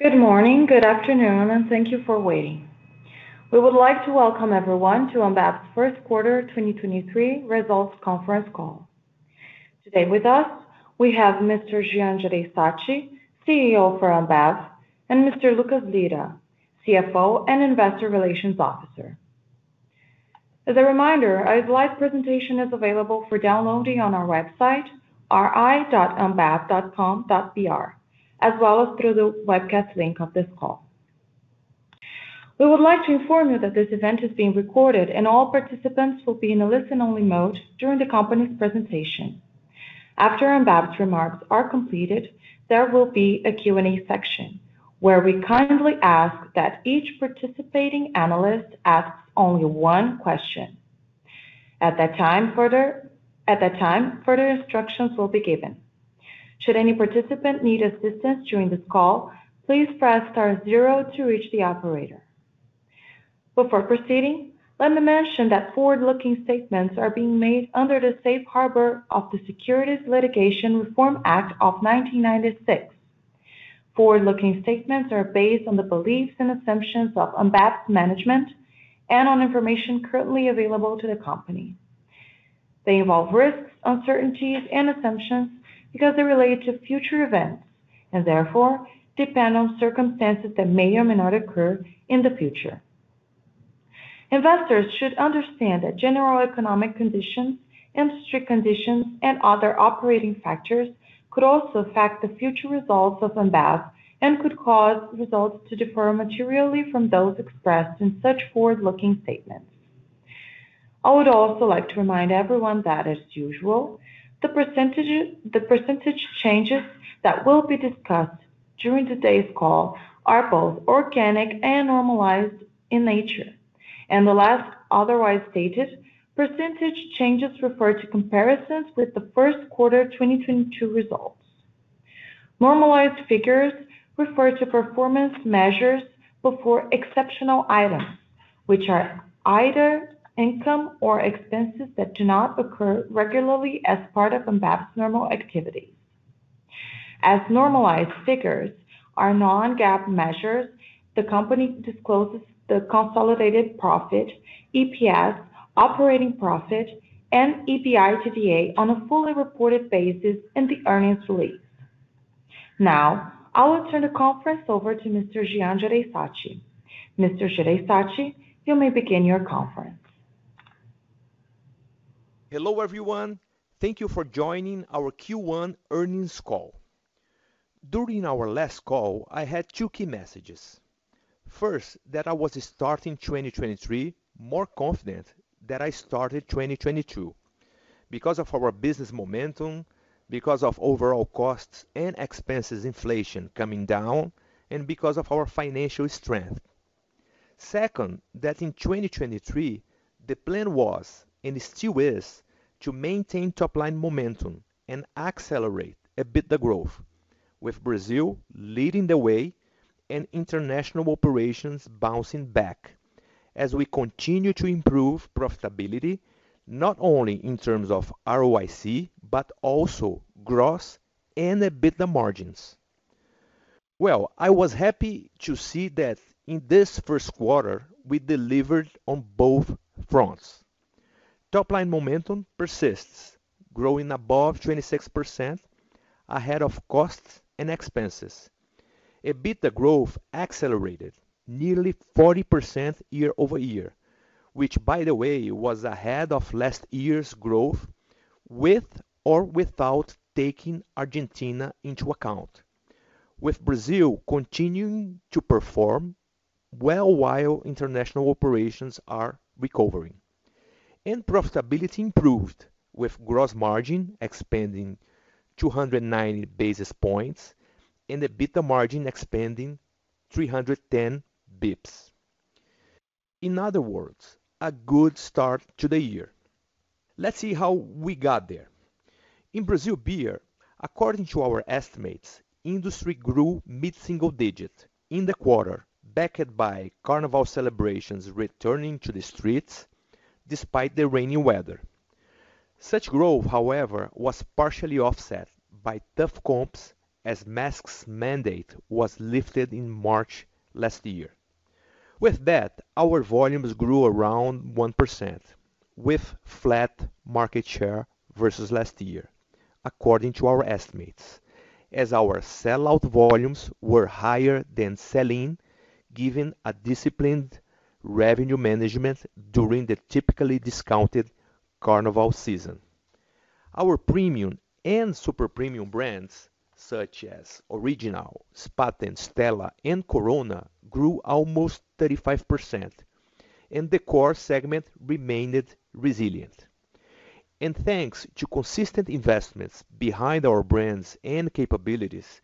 Good morning, good afternoon, and thank you for waiting. We would like to welcome everyone to Ambev's First Quarter 2023 Results conference call. Today with us, we have Mr. Jean Jereissati, CEO for Ambev, and Mr. Lucas Lira, CFO and Investor Relations Officer. As a reminder, a live presentation is available for downloading on our website, ri.ambev.com.br, as well as through the webcast link of this call. We would like to inform you that this event is being recorded and all participants will be in a listen-only mode during the company's presentation. After Ambev's remarks are completed, there will be a Q&A section where we kindly ask that each participating analyst asks only one question. At that time, further instructions will be given. Should any participant need assistance during this call, please press star zero to reach the operator. Before proceeding, let me mention that forward-looking statements are being made under the safe harbor of the Private Securities Litigation Reform Act of 1995. Forward-looking statements are based on the beliefs and assumptions of Ambev's management and on information currently available to the company. They involve risks, uncertainties, and assumptions because they relate to future events, and therefore depend on circumstances that may or may not occur in the future. Investors should understand that general economic conditions, industry conditions, and other operating factors could also affect the future results of Ambev and could cause results to differ materially from those expressed in such forward-looking statements. I would also like to remind everyone that, as usual, the percentages, the percentage changes that will be discussed during today's call are both organic and normalized in nature. Unless otherwise stated, percentage changes refer to comparisons with the first quarter 2022 results. Normalized figures refer to performance measures before exceptional items, which are either income or expenses that do not occur regularly as part of Ambev's normal activities. As normalized figures are non-GAAP measures, the company discloses the consolidated profit, EPS, operating profit, and EBITDA on a fully reported basis in the earnings release. Now, I will turn the conference over to Mr. Jean Jereissati. Mr. Jean Jereissati, you may begin your conference. Hello, everyone. Thank you for joining our Q1 earnings call. During our last call, I had two key messages. First, that I was starting 2023 more confident than I started 2022 because of our business momentum, because of overall costs and expenses inflation coming down, and because of our financial strength. Second, that in 2023, the plan was, and still is, to maintain top-line momentum and accelerate a bit the growth, with Brazil leading the way and international operations bouncing back as we continue to improve profitability, not only in terms of ROIC, but also gross and EBITDA margins. Well, I was happy to see that in this first quarter, we delivered on both fronts. Top line momentum persists, growing above 26% ahead of costs and expenses. EBITDA growth accelerated nearly 40% year-over-year, which by the way, was ahead of last year's growth with or without taking Argentina into account, with Brazil continuing to perform well while international operations are recovering. Profitability improved with gross margin expanding 290 basis points and EBITDA margin expanding 310 bips. In other words, a good start to the year. Let's see how we got there. In Brazil beer, according to our estimates, industry grew mid-single digit in the quarter backed by Carnival celebrations returning to the streets despite the rainy weather. Such growth, however, was partially offset by tough comps as masks mandate was lifted in March last year. With that, our volumes grew around 1% with flat market share versus last year, according to our estimates, as our sellout volumes were higher than sell-in, given a disciplined revenue management during the typically discounted Carnival season. Our premium and super premium brands such as Original, Spaten, Stella, and Corona grew almost 35% and the core segment remained resilient. Thanks to consistent investments behind our brands and capabilities,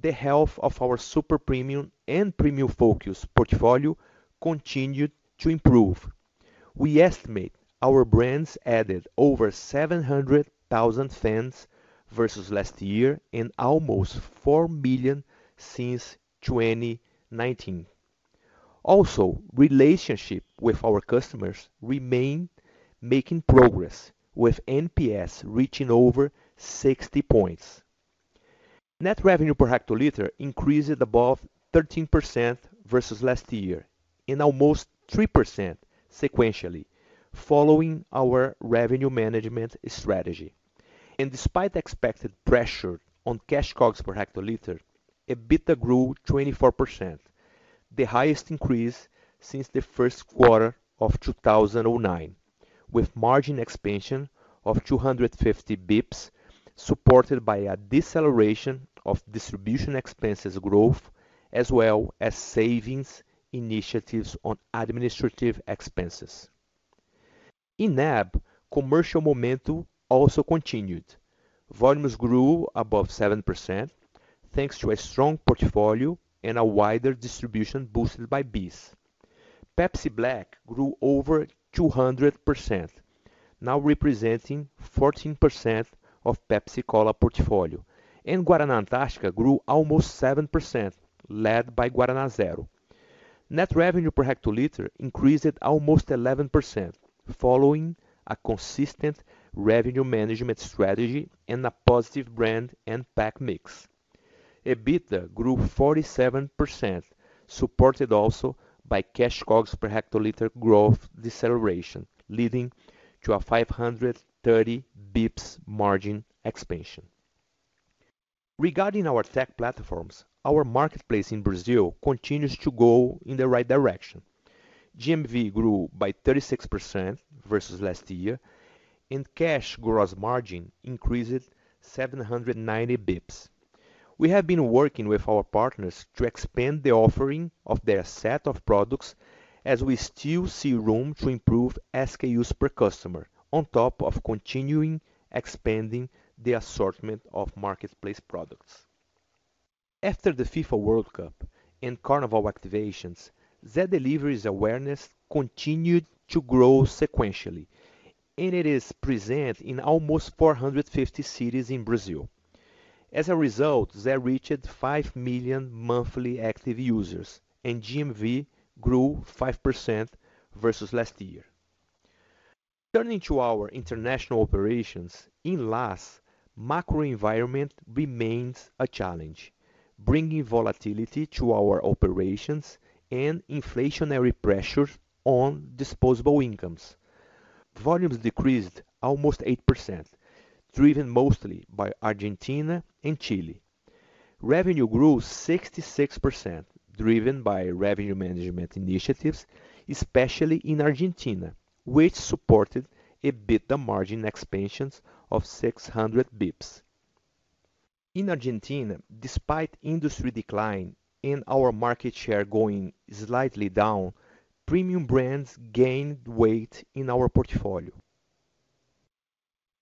the health of our super premium and premium focus portfolio continued to improve. We estimate our brands added over 700,000 fans versus last year and almost 4 million since 2019. Also, relationship with our customers remain making progress with NPS reaching over 60 points. Net revenue per hectoliter increased above 13% versus last year and almost 3% sequentially following our revenue management strategy. Despite expected pressure on Cash COGS per hectoliter, EBITDA grew 24%, the highest increase since the first quarter of 2009, with margin expansion of 250 basis points, supported by a deceleration of distribution expenses growth, as well as savings initiatives on administrative expenses. In NAB, commercial momentum also continued. Volumes grew above 7%, thanks to a strong portfolio and a wider distribution boosted by BEES. Pepsi Black grew over 200%, now representing 14% of Pepsi Cola portfolio, and Guaraná Antarctica grew almost 7%, led by Guaraná Antarctica Zero. Net revenue per hectoliter increased almost 11%, following a consistent revenue management strategy and a positive brand and pack mix. EBITDA grew 47%, supported also by Cash COGS per hectoliter growth deceleration, leading to a 530 basis points margin expansion. Regarding our tech platforms, our marketplace in Brazil continues to go in the right direction. GMV grew by 36% versus last year, and cash gross margin increased 790 basis points. We have been working with our partners to expand the offering of their set of products as we still see room to improve SKUs per customer on top of continuing expanding the assortment of marketplace products. After the FIFA World Cup and Carnival activations, Zé Delivery's awareness continued to grow sequentially, and it is present in almost 450 cities in Brazil. As a result, Zé reached 5 million monthly active users, and GMV grew 5% versus last year. Turning to our international operations, in LAS, macro environment remains a challenge, bringing volatility to our operations and inflationary pressure on disposable incomes. Volumes decreased almost 8%, driven mostly by Argentina and Chile. Revenue grew 66%, driven by revenue management initiatives, especially in Argentina, which supported EBITDA margin expansions of 600 basis points. In Argentina, despite industry decline and our market share going slightly down, premium brands gained weight in our portfolio.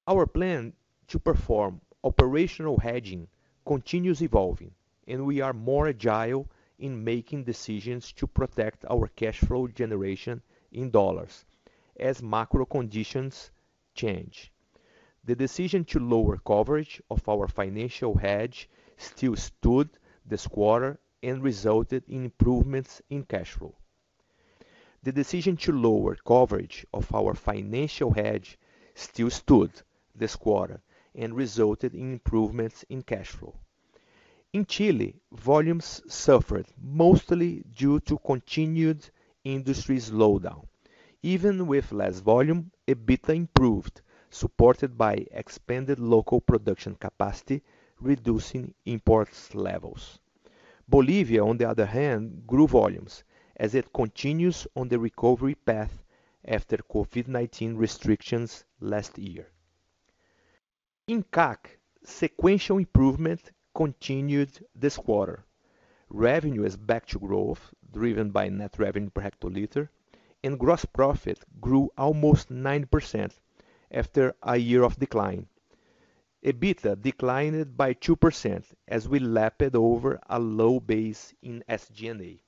Our plan to perform operational hedging continues evolving, and we are more agile in making decisions to protect our cash flow generation in dollars as macro conditions change. The decision to lower coverage of our financial hedge still stood this quarter and resulted in improvements in cash flow. The decision to lower coverage of our financial hedge still stood this quarter and resulted in improvements in cash flow. In Chile, volumes suffered mostly due to continued industry slowdown. Even with less volume, EBITDA improved, supported by expanded local production capacity, reducing imports levels. Bolivia, on the other hand, grew volumes as it continues on the recovery path after COVID-19 restrictions last year. In CAC, sequential improvement continued this quarter. Revenue is back to growth, driven by net revenue per hectoliter. Gross profit grew almost 9% after a year of decline. EBITDA declined by 2% as we lapped over a low base in SG&A.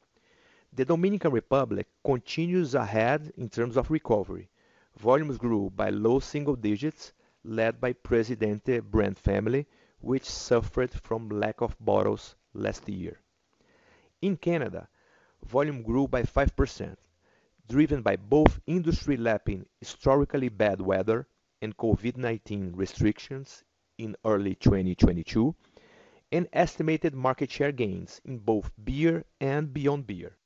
The Dominican Republic continues ahead in terms of recovery. Volumes grew by low single digits, led by Presidente brand family, which suffered from lack of bottles last year. In Canada, volume grew by 5%, driven by both industry lapping historically bad weather and COVID-19 restrictions in early 2022 and estimated market share gains in both beer and beyond beer.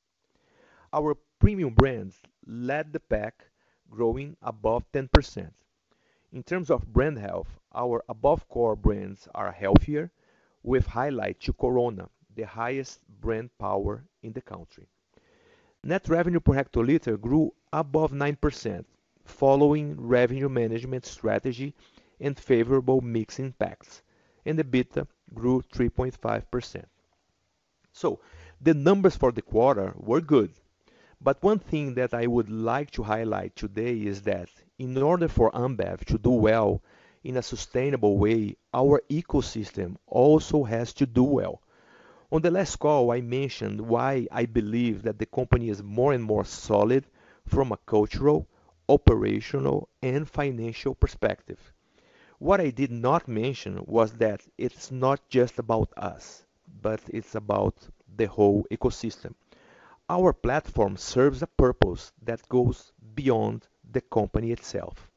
Our premium brands led the pack growing above 10%. In terms of brand health, our above core brands are healthier with highlight to Corona, the highest brand power in the country. Net revenue per hectoliter grew above 9% following revenue management strategy and favorable mix impacts, and EBITDA grew 3.5%. The numbers for the quarter were good. One thing that I would like to highlight today is that in order for Ambev to do well in a sustainable way, our ecosystem also has to do well. On the last call, I mentioned why I believe that the company is more and more solid from a cultural, operational, and financial perspective. What I did not mention was that it's not just about us, but it's about the whole ecosystem. Our platform serves a purpose that goes beyond the company itself.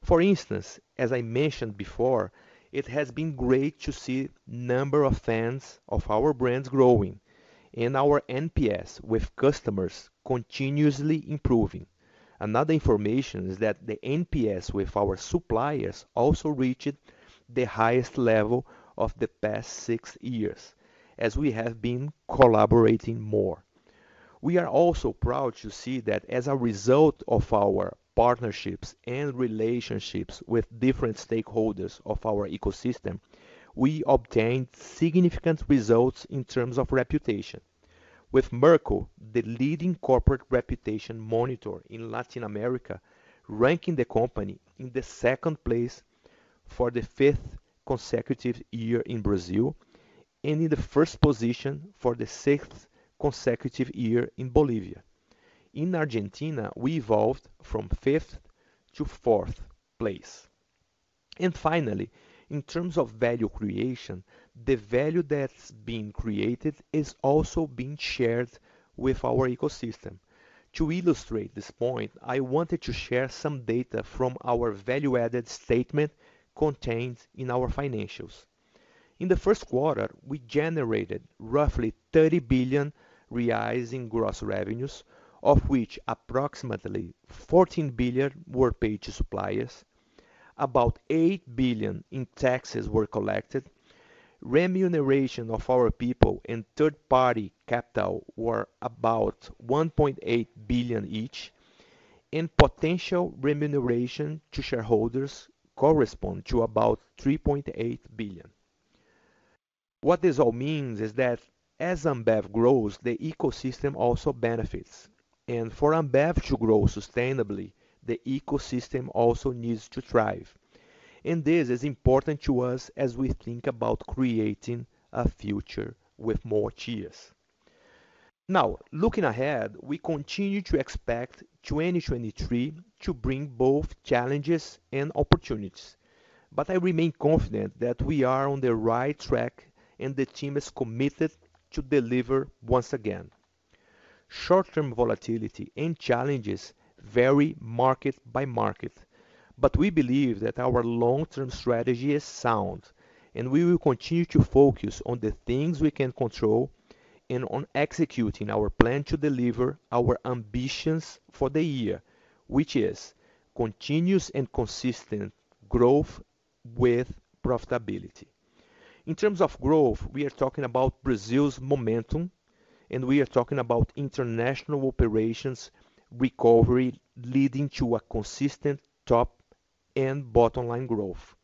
For instance, as I mentioned before, it has been great to see number of fans of our brands growing and our NPS with customers continuously improving. Another information is that the NPS with our suppliers also reached the highest level of the past six years as we have been collaborating more. We are also proud to see that as a result of our partnerships and relationships with different stakeholders of our ecosystem, we obtained significant results in terms of reputation. With Merco, the leading corporate reputation monitor in Latin America, ranking the company in the second place for the fifth consecutive year in Brazil and in the first position for the sixth consecutive year in Bolivia. In Argentina, we evolved from fifth to fourth place. Finally, in terms of value creation, the value that's being created is also being shared with our ecosystem. To illustrate this point, I wanted to share some data from our value-added statement contained in our financials. In the first quarter, we generated roughly 30 billion reais in gross revenues, of which approximately 14 billion were paid to suppliers. About 8 billion in taxes were collected. Remuneration of our people and third-party capital were about 1.8 billion each, and potential remuneration to shareholders correspond to about 3.8 billion. What this all means is that as Ambev grows, the ecosystem also benefits. For Ambev to grow sustainably, the ecosystem also needs to thrive. This is important to us as we think about creating a future with more cheers. Looking ahead, we continue to expect 2023 to bring both challenges and opportunities. I remain confident that we are on the right track and the team is committed to deliver once again. We believe that our long-term strategy is sound, and we will continue to focus on the things we can control and on executing our plan to deliver our ambitions for the year, which is continuous and consistent growth with profitability. In terms of growth, we are talking about Brazil's momentum, and we are talking about international operations recovery leading to a consistent top and bottom line growth.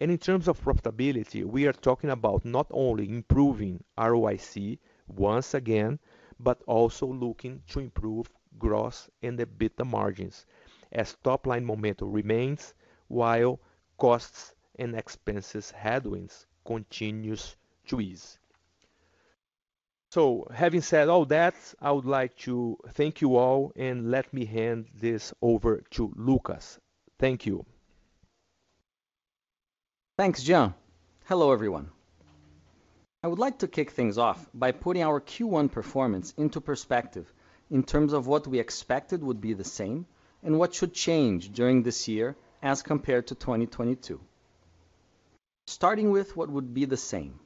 In terms of profitability, we are talking about not only improving ROIC once again, but also looking to improve gross and EBITDA margins as top-line momentum remains while costs and expenses headwinds continues to ease. Having said all that, I would like to thank you all, and let me hand this over to Lucas. Thank you. Thanks, Jean. Hello, everyone. I would like to kick things off by putting our Q1 performance into perspective in terms of what we expected would be the same and what should change during this year as compared to 2022. Starting with what would be the same.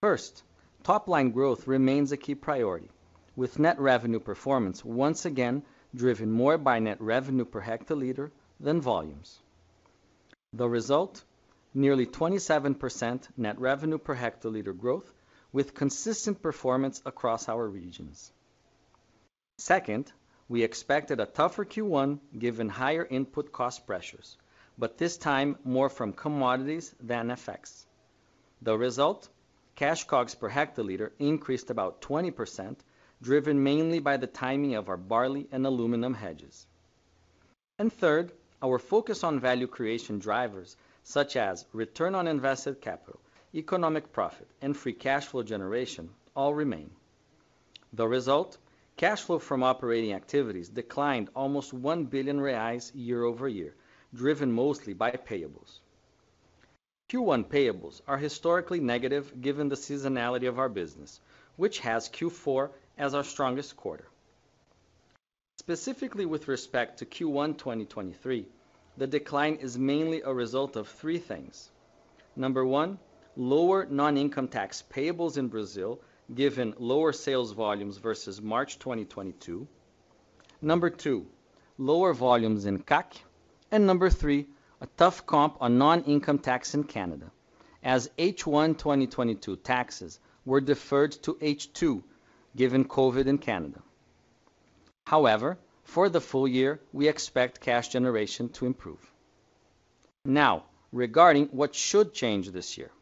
First, top-line growth remains a key priority, with net revenue performance once again driven more by net revenue per hectoliter than volumes. The result, nearly 27% net revenue per hectoliter growth with consistent performance across our regions. Second, we expected a tougher Q1 given higher input cost pressures, but this time more from commodities than FX. The result, cash COGS per hectoliter increased about 20%, driven mainly by the timing of our barley and aluminum hedges. Third, our focus on value creation drivers such as return on invested capital, economic profit, and Free Cash Flow generation all remain. The result, cash flow from operating activities declined almost 1 billion reais year-over-year, driven mostly by payables. Q1 payables are historically negative given the seasonality of our business, which has Q4 as our strongest quarter. Specifically with respect to Q1, 2023, the decline is mainly a result of three things. Number one, lower non-income tax payables in Brazil, given lower sales volumes versus March 2022. Number two, lower volumes in CAC. Number three, a tough comp on non-income tax in Canada, as H1, 2022 taxes were deferred to H2 given COVID-19 in Canada. For the full year, we expect cash generation to improve. Regarding what should change this year.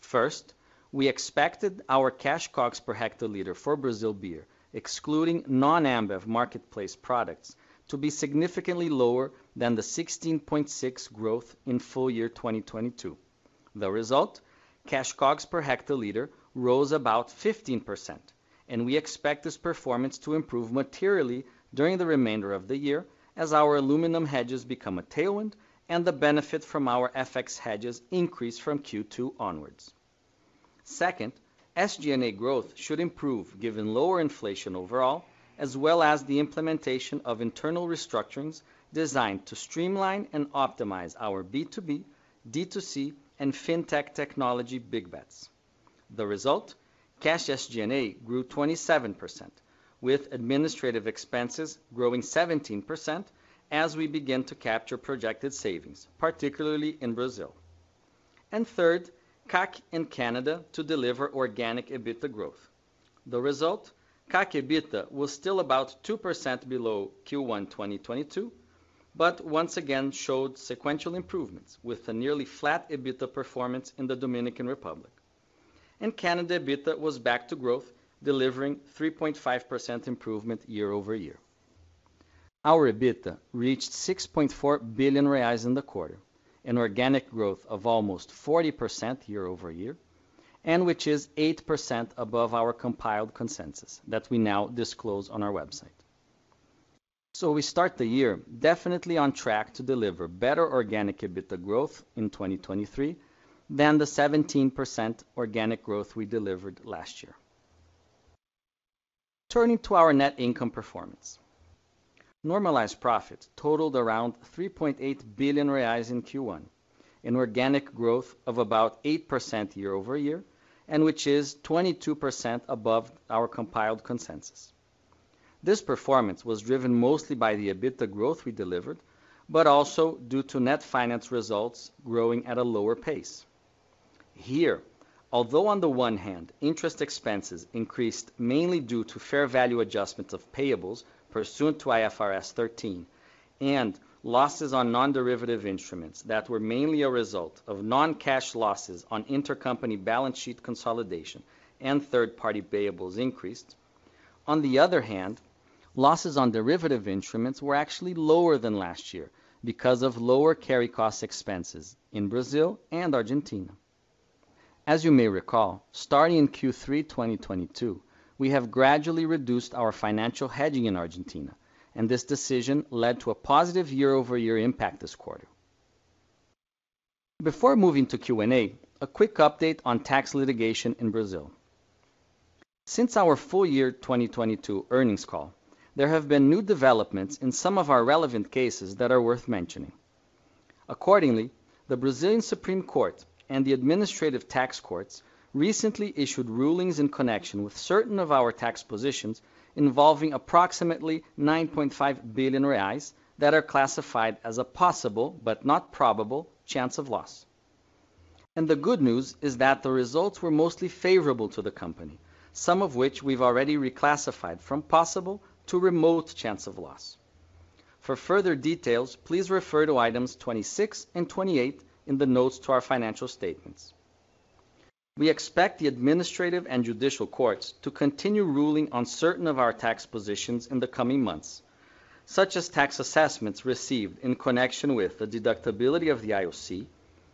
First, we expected our cash COGS per hectoliter for Brazil beer, excluding non-Ambev marketplace products, to be significantly lower than the 16.6% growth in full year 2022. The result, cash COGS per hectoliter rose about 15%, and we expect this performance to improve materially during the remainder of the year as our aluminum hedges become a tailwind and the benefit from our FX hedges increase from Q2 onwards. Second, SG&A growth should improve given lower inflation overall, as well as the implementation of internal restructurings designed to streamline and optimize our B2B, D2C, and FinTech technology big bets. The result, cash SG&A grew 27%, with administrative expenses growing 17% as we begin to capture projected savings, particularly in Brazil. Third, CAC in Canada to deliver organic EBITDA growth. The result, CAC EBITDA was still about 2% below Q1 2022, but once again showed sequential improvements with a nearly flat EBITDA performance in the Dominican Republic. Canada EBITDA was back to growth, delivering 3.5% improvement year-over-year. Our EBITDA reached 6.4 billion reais in the quarter, an organic growth of almost 40% year-over-year, and which is 8% above our compiled consensus that we now disclose on our website. We start the year definitely on track to deliver better organic EBITDA growth in 2023 than the 17% organic growth we delivered last year. Turning to our net income performance. Normalized profit totaled around 3.8 billion reais in Q1, an organic growth of about 8% year-over-year, and which is 22% above our compiled consensus. This performance was driven mostly by the EBITDA growth we delivered, but also due to net finance results growing at a lower pace. Here, although on the one hand, interest expenses increased mainly due to fair value adjustments of payables pursuant to IFRS 13 and losses on non-derivative instruments that were mainly a result of non-cash losses on intercompany balance sheet consolidation and third-party payables increased, on the other hand, losses on derivative instruments were actually lower than last year because of lower carry cost expenses in Brazil and Argentina. As you may recall, starting in Q3 2022, we have gradually reduced our financial hedging in Argentina, and this decision led to a positive year-over-year impact this quarter. Before moving to Q&A, a quick update on tax litigation in Brazil. Since our full year 2022 earnings call, there have been new developments in some of our relevant cases that are worth mentioning. Accordingly, the Brazilian Supreme Court and the administrative tax courts recently issued rulings in connection with certain of our tax positions involving approximately 9.5 billion reais that are classified as a possible, but not probable, chance of loss. The good news is that the results were mostly favorable to the company, some of which we've already reclassified from possible to remote chance of loss. For further details, please refer to items 26 and 28 in the notes to our financial statements. We expect the administrative and judicial courts to continue ruling on certain of our tax positions in the coming months, such as tax assessments received in connection with the deductibility of the IOC,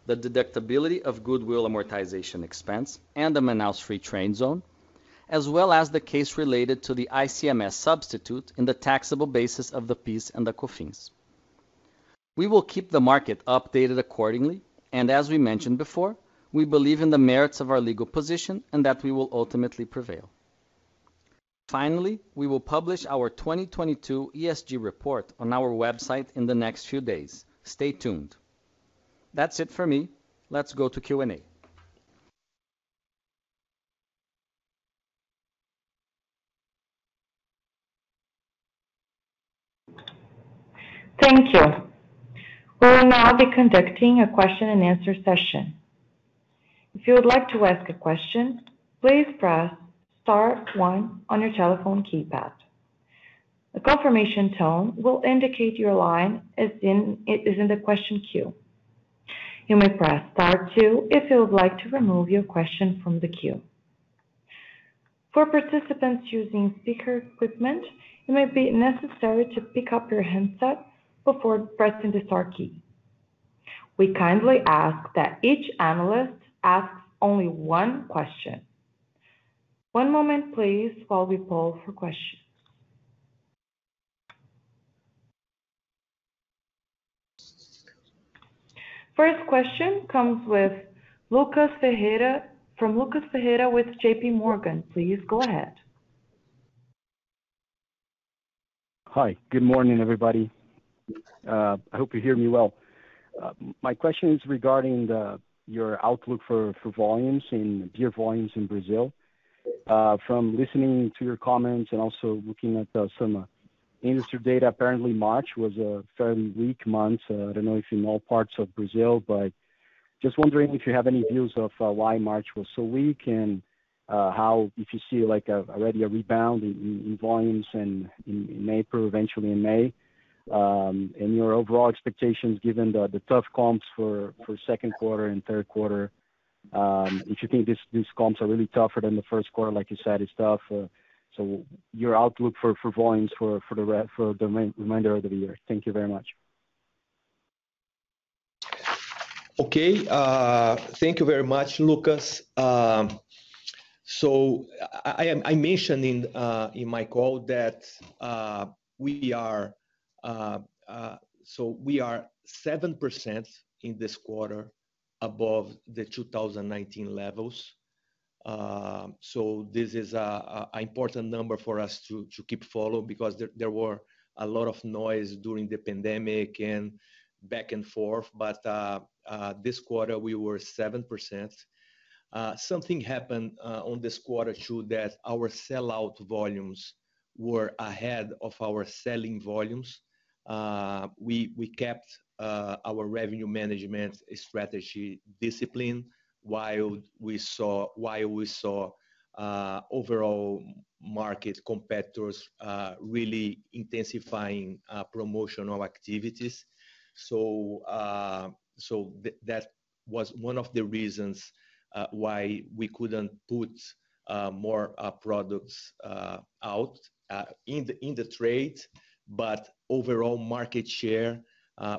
the deductibility of goodwill amortization expense and the Manaus Free Trade Zone, as well as the case related to the ICMS substitute in the taxable basis of the PIS and the COFINS. We will keep the market updated accordingly. As we mentioned before, we believe in the merits of our legal position and that we will ultimately prevail. Finally, we will publish our 2022 ESG report on our website in the next few days. Stay tuned. That's it for me. Let's go to Q&A. Thank you. We will now be conducting a question and answer session. If you would like to ask a question, please press star one on your telephone keypad. A confirmation tone will indicate your line is in the question queue. You may press star two if you would like to remove your question from the queue. For participants using speaker equipment, it may be necessary to pick up your handset before pressing the star key. We kindly ask that each analyst asks only one question. One moment please while we poll for questions. First question comes from Lucas Ferreira with J.P. Morgan. Please go ahead. Hi. Good morning, everybody. I hope you hear me well. My question is regarding your outlook for volumes in beer volumes in Brazil. From listening to your comments and also looking at some industry data, apparently March was a fairly weak month. I don't know if in all parts of Brazil, but just wondering if you have any views of why March was so weak and how if you see like already a rebound in volumes in April, eventually in May, and your overall expectations given the tough comps for second quarter and third quarter. If you think these comps are really tougher than the first quarter, like you said, it's tough. Your outlook for volumes for the reminder of the year. Thank you very much. Okay. Thank you very much, Lucas. I mentioned in my call that we are 7% in this quarter above the 2019 levels. This is an important number for us to keep follow because there were a lot of noise during the pandemic and back and forth. This quarter we were 7%. Something happened on this quarter too that our sellout volumes were ahead of our selling volumes. We kept our revenue management strategy discipline while we saw overall market competitors really intensifying promotional activities. That was one of the reasons why we couldn't put more products out in the trade. Overall market share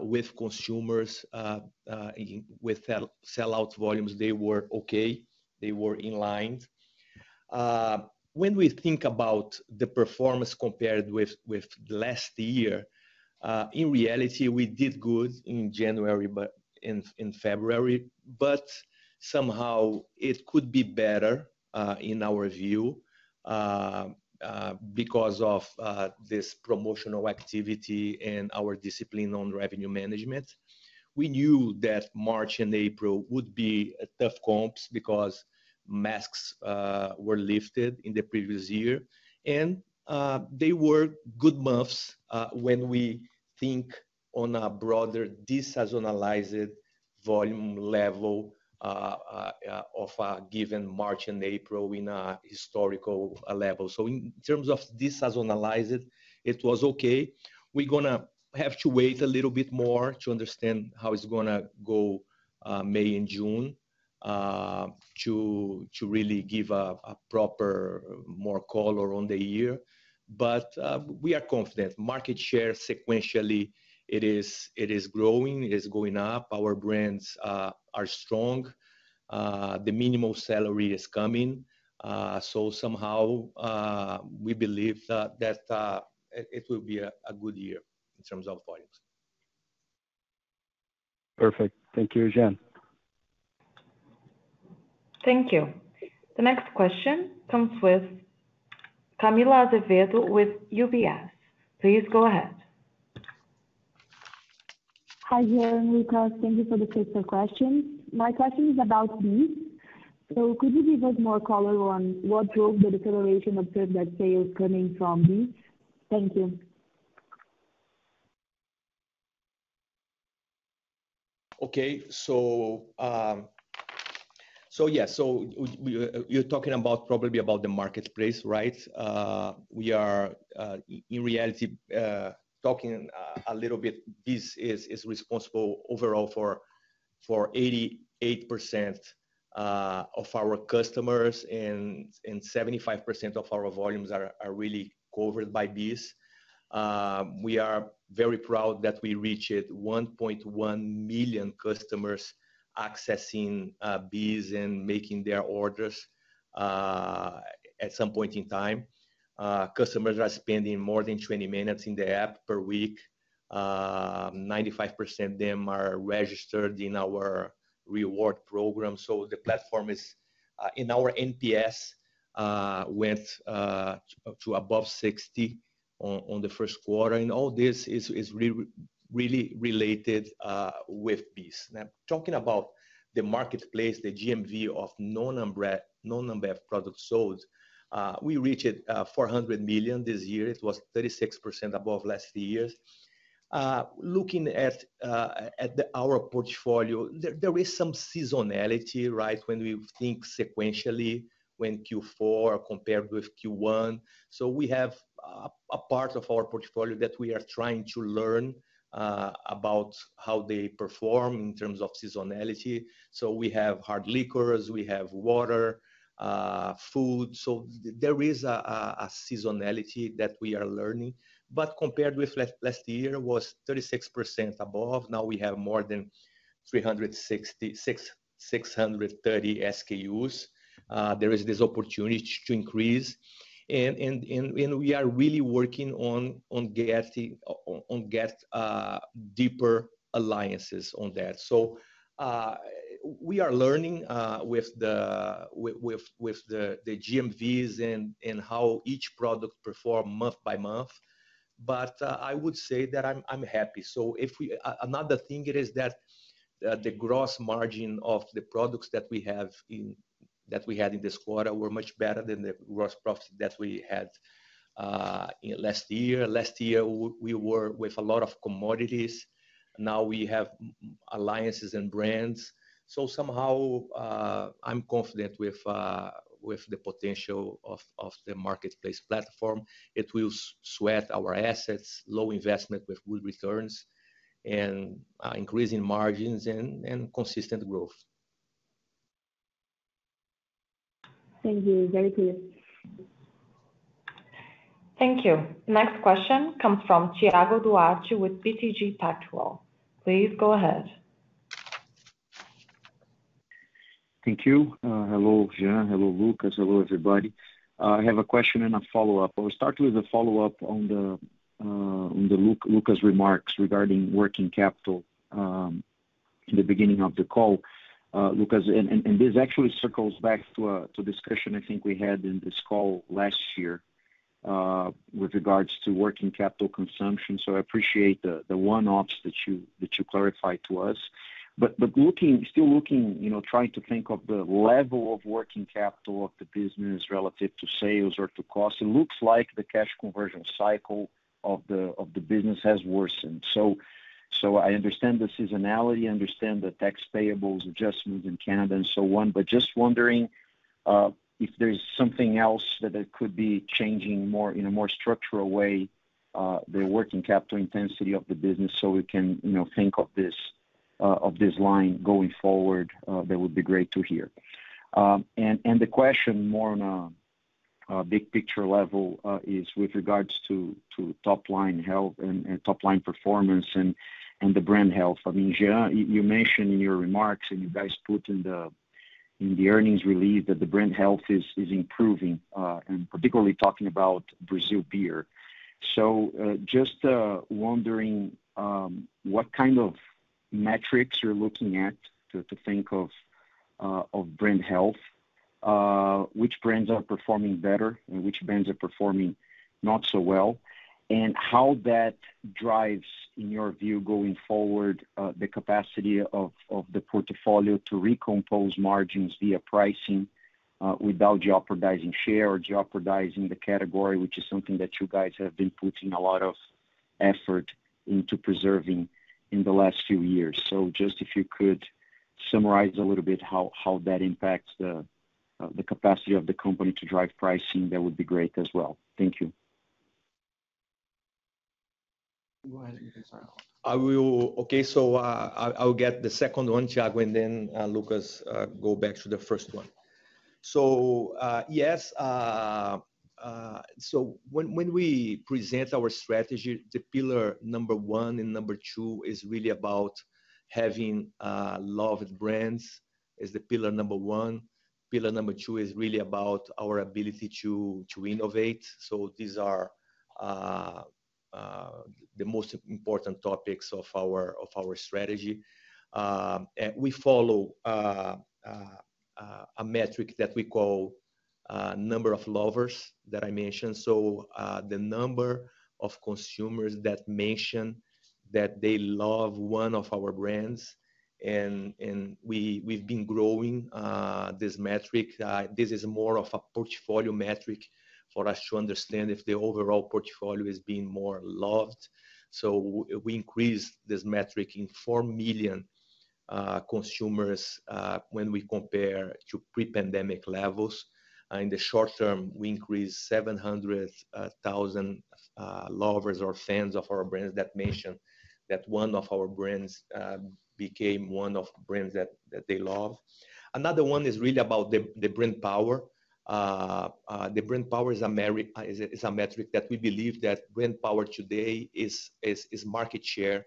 with consumers, with sellout volumes, they were okay. They were in line. When we think about the performance compared with last year, in reality we did good in January, in February. Somehow it could be better in our view because of this promotional activity and our discipline on revenue management. We knew that March and April would be a tough comps because masks were lifted in the previous year. They were good months when we think on a broader de-seasonalized volume level of a given March and April in a historical level. In terms of de-seasonalize it was okay. We're gonna have to wait a little bit more to understand how it's gonna go, May and June, to really give a proper more color on the year. We are confident. Market share sequentially it is growing, it is going up. Our brands are strong. The minimum salary is coming. Somehow, we believe that it will be a good year in terms of volumes. Perfect. Thank you, Jean. Thank you. The next question comes from Camila Azevedo with UBS. Please go ahead. Hi, Jean and Lucas. Thank you for the space for questions. My question is about BEES. Could you give us more color on what drove the deceleration observed that sales coming from BEES? Thank you. Okay. Yeah. We, you're talking about probably about the marketplace, right? We are in reality talking a little bit, this is responsible overall for 88% of our customers and 75% of our volumes are really covered by BEES. We are very proud that we reached 1.1 million customers accessing BEES and making their orders at some point in time. Customers are spending more than 20 minutes in the app per week. 95% of them are registered in our reward program, the platform is in our NPS went to above 60 on the first quarter. All this is really related with BEES. Now, talking about the marketplace, the GMV of non-Ambev, non-Ambev products sold, we reached $400 million this year. It was 36% above last year's. Looking at our portfolio, there is some seasonality, right? When we think sequentially when Q4 compared with Q1. We have a part of our portfolio that we are trying to learn about how they perform in terms of seasonality. We have hard liquors, we have water, food. There is a seasonality that we are learning. But compared with last year, it was 36% above. Now we have more than 630 SKUs. There is this opportunity to increase and we are really working on get deeper alliances on that. We are learning with the GMVs and how each product perform month by month. I would say that I'm happy. Another thing it is that the gross margin of the products that we had in this quarter were much better than the gross profit that we had, you know, last year. Last year, we were with a lot of commodities. Now we have alliances and brands. Somehow, I'm confident with the potential of the marketplace platform. It will sweat our assets, low investment with good returns and increasing margins and consistent growth. Thank you. Very clear. Thank you. Next question comes from Thiago Duarte with BTG Pactual. Please go ahead. Thank you. Hello, Jean. Hello, Lucas. Hello, everybody. I have a question and a follow-up. I will start with a follow-up on the, on the Lucas remarks regarding working capital, in the beginning of the call. Lucas, and this actually circles back to discussion I think we had in this call last year, with regards to working capital consumption. I appreciate the one-offs that you, that you clarified to us. Still looking, you know, trying to think of the level of working capital of the business relative to sales or to cost, it looks like the cash conversion cycle of the business has worsened. I understand the seasonality, I understand the tax payables adjustments in Canada and so on, but just wondering, if there's something else that could be changing more, in a more structural way, the working capital intensity of the business so we can, you know, think of this, of this line going forward, that would be great to hear. And the question more on a big picture level, is with regards to top-line health and top line performance and the brand health. I mean, Jean, you mentioned in your remarks, and you guys put in the, in the earnings release that the brand health is improving, and particularly talking about Brazil beer. Just wondering, what kind of metrics you're looking at to think of brand health, which brands are performing better and which brands are performing not so well, and how that drives, in your view, going forward, the capacity of the portfolio to recompose margins via pricing, without jeopardizing share or jeopardizing the category, which is something that you guys have been putting a lot of effort into preserving in the last few years. Just if you could summarize a little bit how that impacts the capacity of the company to drive pricing, that would be great as well. Thank you. Go ahead, Jean. I will. Okay. I'll get the second one, Thiago, and then, Lucas, go back to the first one. Yes, when we present our strategy, the pillar number one and number two is really about having loved brands is the pillar number one. Pillar number two is really about our ability to innovate. These are the most important topics of our strategy. We follow a metric that we call number of lovers that I mentioned. The number of consumers that mention that they love one of our brands, and we've been growing this metric. This is more of a portfolio metric for us to understand if the overall portfolio is being more loved. We increased this metric in 4 million consumers when we compare to pre-pandemic levels. In the short term, we increased 700,000 lovers or fans of our brands that mention that one of our brands became one of brands that they love. Another one is really about the brand power. The brand power is a metric that we believe that brand power today is market share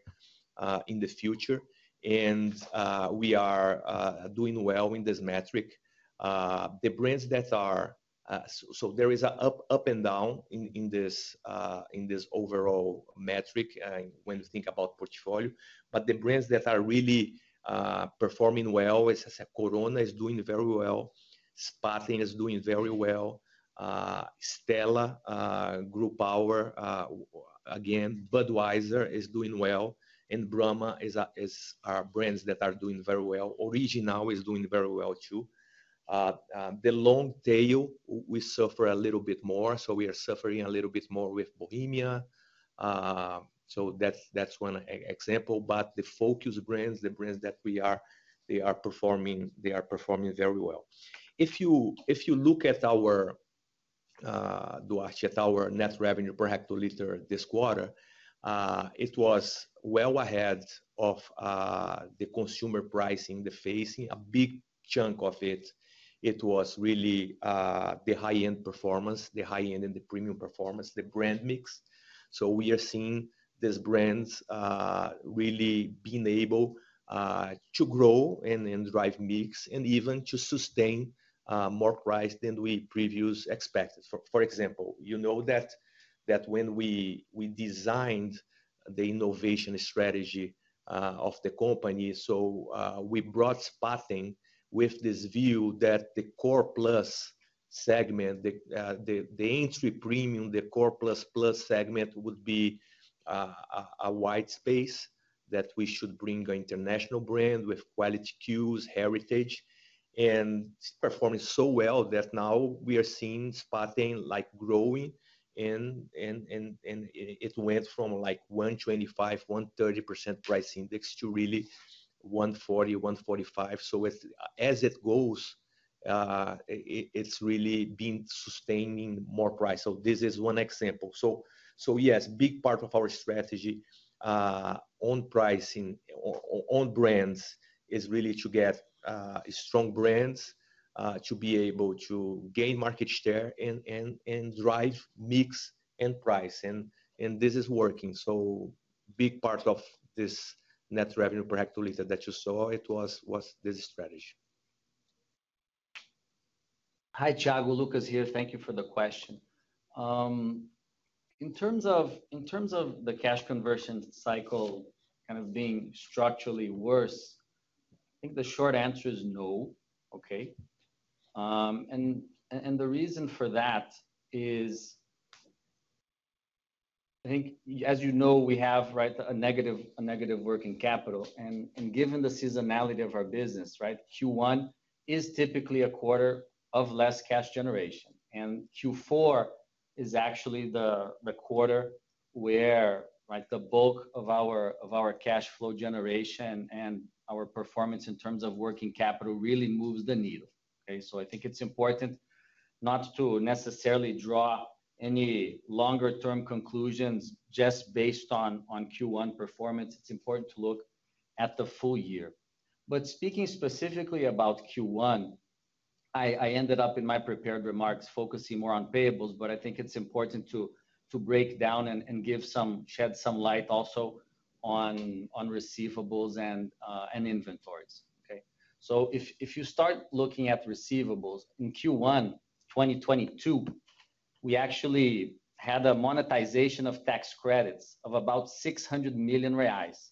in the future. We are doing well in this metric. The brands that are... there is a up and down in this overall metric when you think about portfolio. The brands that are really performing well is, as I said, Corona is doing very well. Spaten is doing very well. Stella, group power, Budweiser is doing well, Brahma are brands that are doing very well. Original is doing very well too. The Long Tail, we suffer a little bit more, so we are suffering a little bit more with Bohemia. That's one example. The focus brands, the brands that we are, they are performing very well. If you look at our Duarte, at our net revenue per hectoliter this quarter, it was well ahead of the consumer pricing, the facing. A big chunk of it was really the high-end performance, the high-end and the premium performance, the brand mix. We are seeing these brands, really being able to grow and drive mix and even to sustain more price than we previous expected. For example, you know that when we designed the innovation strategy of the company, we brought Spaten with this view that the core plus segment, the entry premium, the core plus segment would be a wide space that we should bring an international brand with quality cues, heritage. It's performing so well that now we are seeing Spaten like growing and it went from like 125%, 130% price index to really 140%, 145%. As it goes, it's really been sustaining more price. This is one example. Yes, big part of our strategy on pricing, on brands is really to get strong brands to be able to gain market share and drive mix and price. This is working. Big part of this net revenue per hectoliter that you saw it was this strategy. Hi, Thiago. Lucas here. Thank you for the question. In terms of the cash conversion cycle kind of being structurally worse, I think the short answer is no. Okay. The reason for that is, I think as you know, we have, right, a negative working capital. Given the seasonality of our business, right, Q1 is typically a quarter of less cash generation, and Q4 is actually the quarter where, right, the bulk of our cash flow generation and our performance in terms of working capital really moves the needle. Okay. I think it's important not to necessarily draw any longer-term conclusions just based on Q1 performance. It's important to look at the full year. Speaking specifically about Q1, I ended up in my prepared remarks focusing more on payables, but I think it's important to break down and shed some light also on receivables and inventories. Okay. If you start looking at receivables, in Q1 2022, we actually had a monetization of tax credits of about 600 million reais,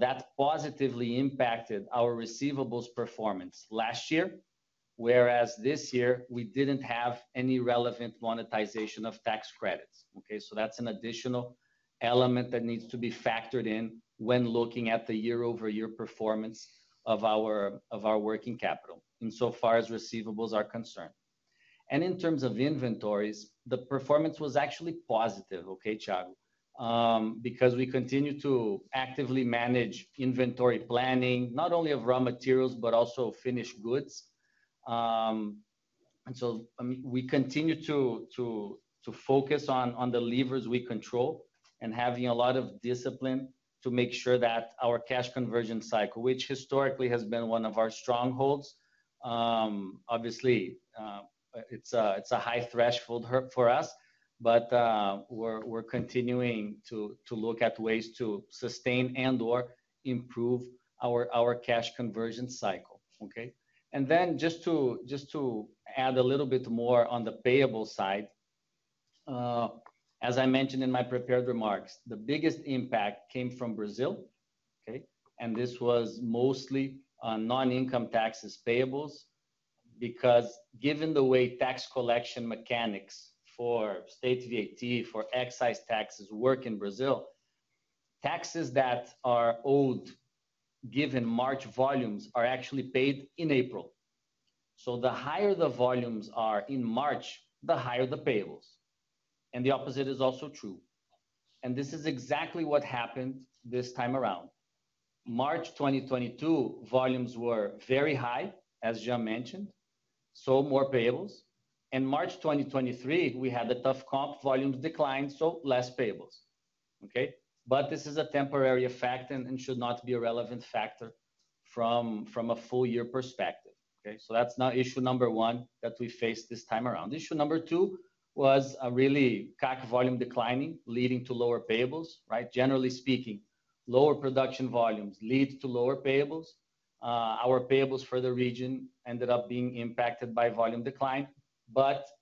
that positively impacted our receivables performance last year, whereas this year we didn't have any relevant monetization of tax credits. Okay. That's an additional element that needs to be factored in when looking at the year-over-year performance of our working capital insofar as receivables are concerned. In terms of inventories, the performance was actually positive, okay, Thiago, because we continue to actively manage inventory planning, not only of raw materials but also finished goods. I mean, we continue to focus on the levers we control and having a lot of discipline to make sure that our cash conversion cycle, which historically has been one of our strongholds, obviously, it's a high threshold for us, but we're continuing to look at ways to sustain and/or improve our cash conversion cycle. Okay. Just to add a little bit more on the payable side, as I mentioned in my prepared remarks, the biggest impact came from Brazil, okay, this was mostly on non-income taxes payables because given the way tax collection mechanics for state VAT, for excise taxes work in Brazil, taxes that are owed given March volumes are actually paid in April. The higher the volumes are in March, the higher the payables, and the opposite is also true. This is exactly what happened this time around. March 2022 volumes were very high, as Jean mentioned, more payables. In March 2023, we had a tough comp, volumes declined, less payables. Okay? This is a temporary effect and should not be a relevant factor from a full year perspective. Okay? That's now issue number one that we faced this time around. Issue number two was a really CAC volume declining, leading to lower payables. Right? Generally speaking, lower production volumes lead to lower payables. Our payables for the region ended up being impacted by volume decline.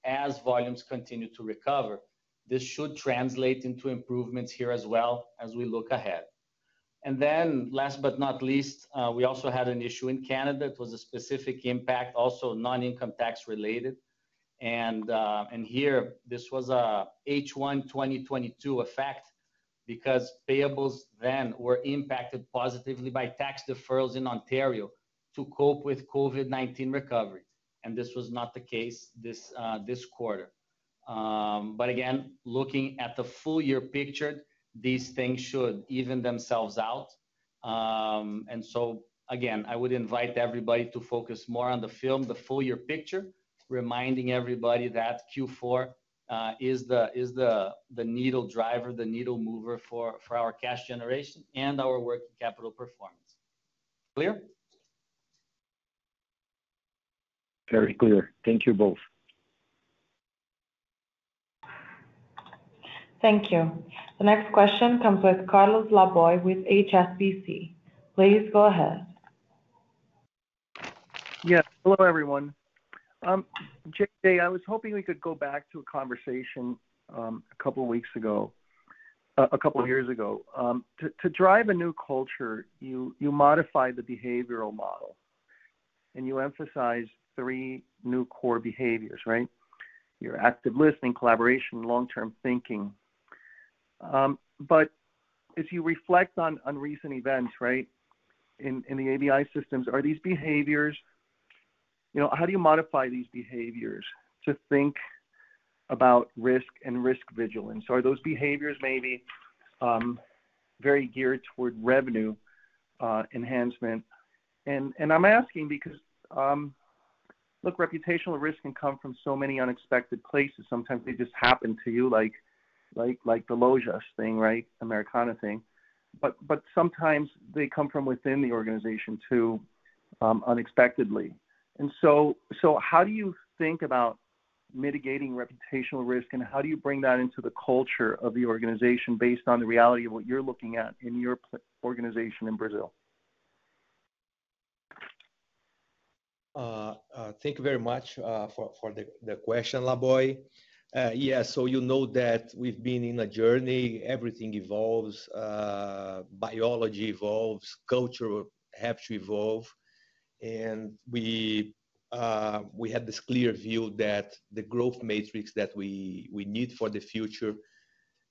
As volumes continue to recover, this should translate into improvements here as well as we look ahead. Then last but not least, we also had an issue in Canada. It was a specific impact, also non-income tax related. Here this was a H1 2022 effect because payables then were impacted positively by tax deferrals in Ontario to cope with COVID-19 recovery, and this was not the case this quarter. Again, looking at the full year picture, these things should even themselves out. So again, I would invite everybody to focus more on the film, the full year picture, reminding everybody that Q4 is the needle driver, the needle mover for our cash generation and our working capital performance. Clear? Very clear. Thank you both. Thank you. The next question comes with Carlos Laboy with HSBC. Please go ahead. Hello, everyone. Jean, I was hoping we could go back to a conversation a couple of years ago. To drive a new culture, you modify the behavioral model and you emphasize three new core behaviors, right? Your active listening, collaboration, long-term thinking. As you reflect on recent events, right, in the ABI systems, are these behaviors? You know, how do you modify these behaviors to think about risk and risk vigilance? Are those behaviors maybe very geared toward revenue enhancement? I'm asking because, look, reputational risk can come from so many unexpected places. Sometimes they just happen to you, like the Lojas thing, right? Americana thing. Sometimes they come from within the organization too, unexpectedly. How do you think about mitigating reputational risk, and how do you bring that into the culture of the organization based on the reality of what you're looking at in your organization in Brazil? Thank you very much for the question, Laboy. Yeah, you know that we've been in a journey. Everything evolves. Biology evolves, culture have to evolve. We had this clear view that the growth matrix that we need for the future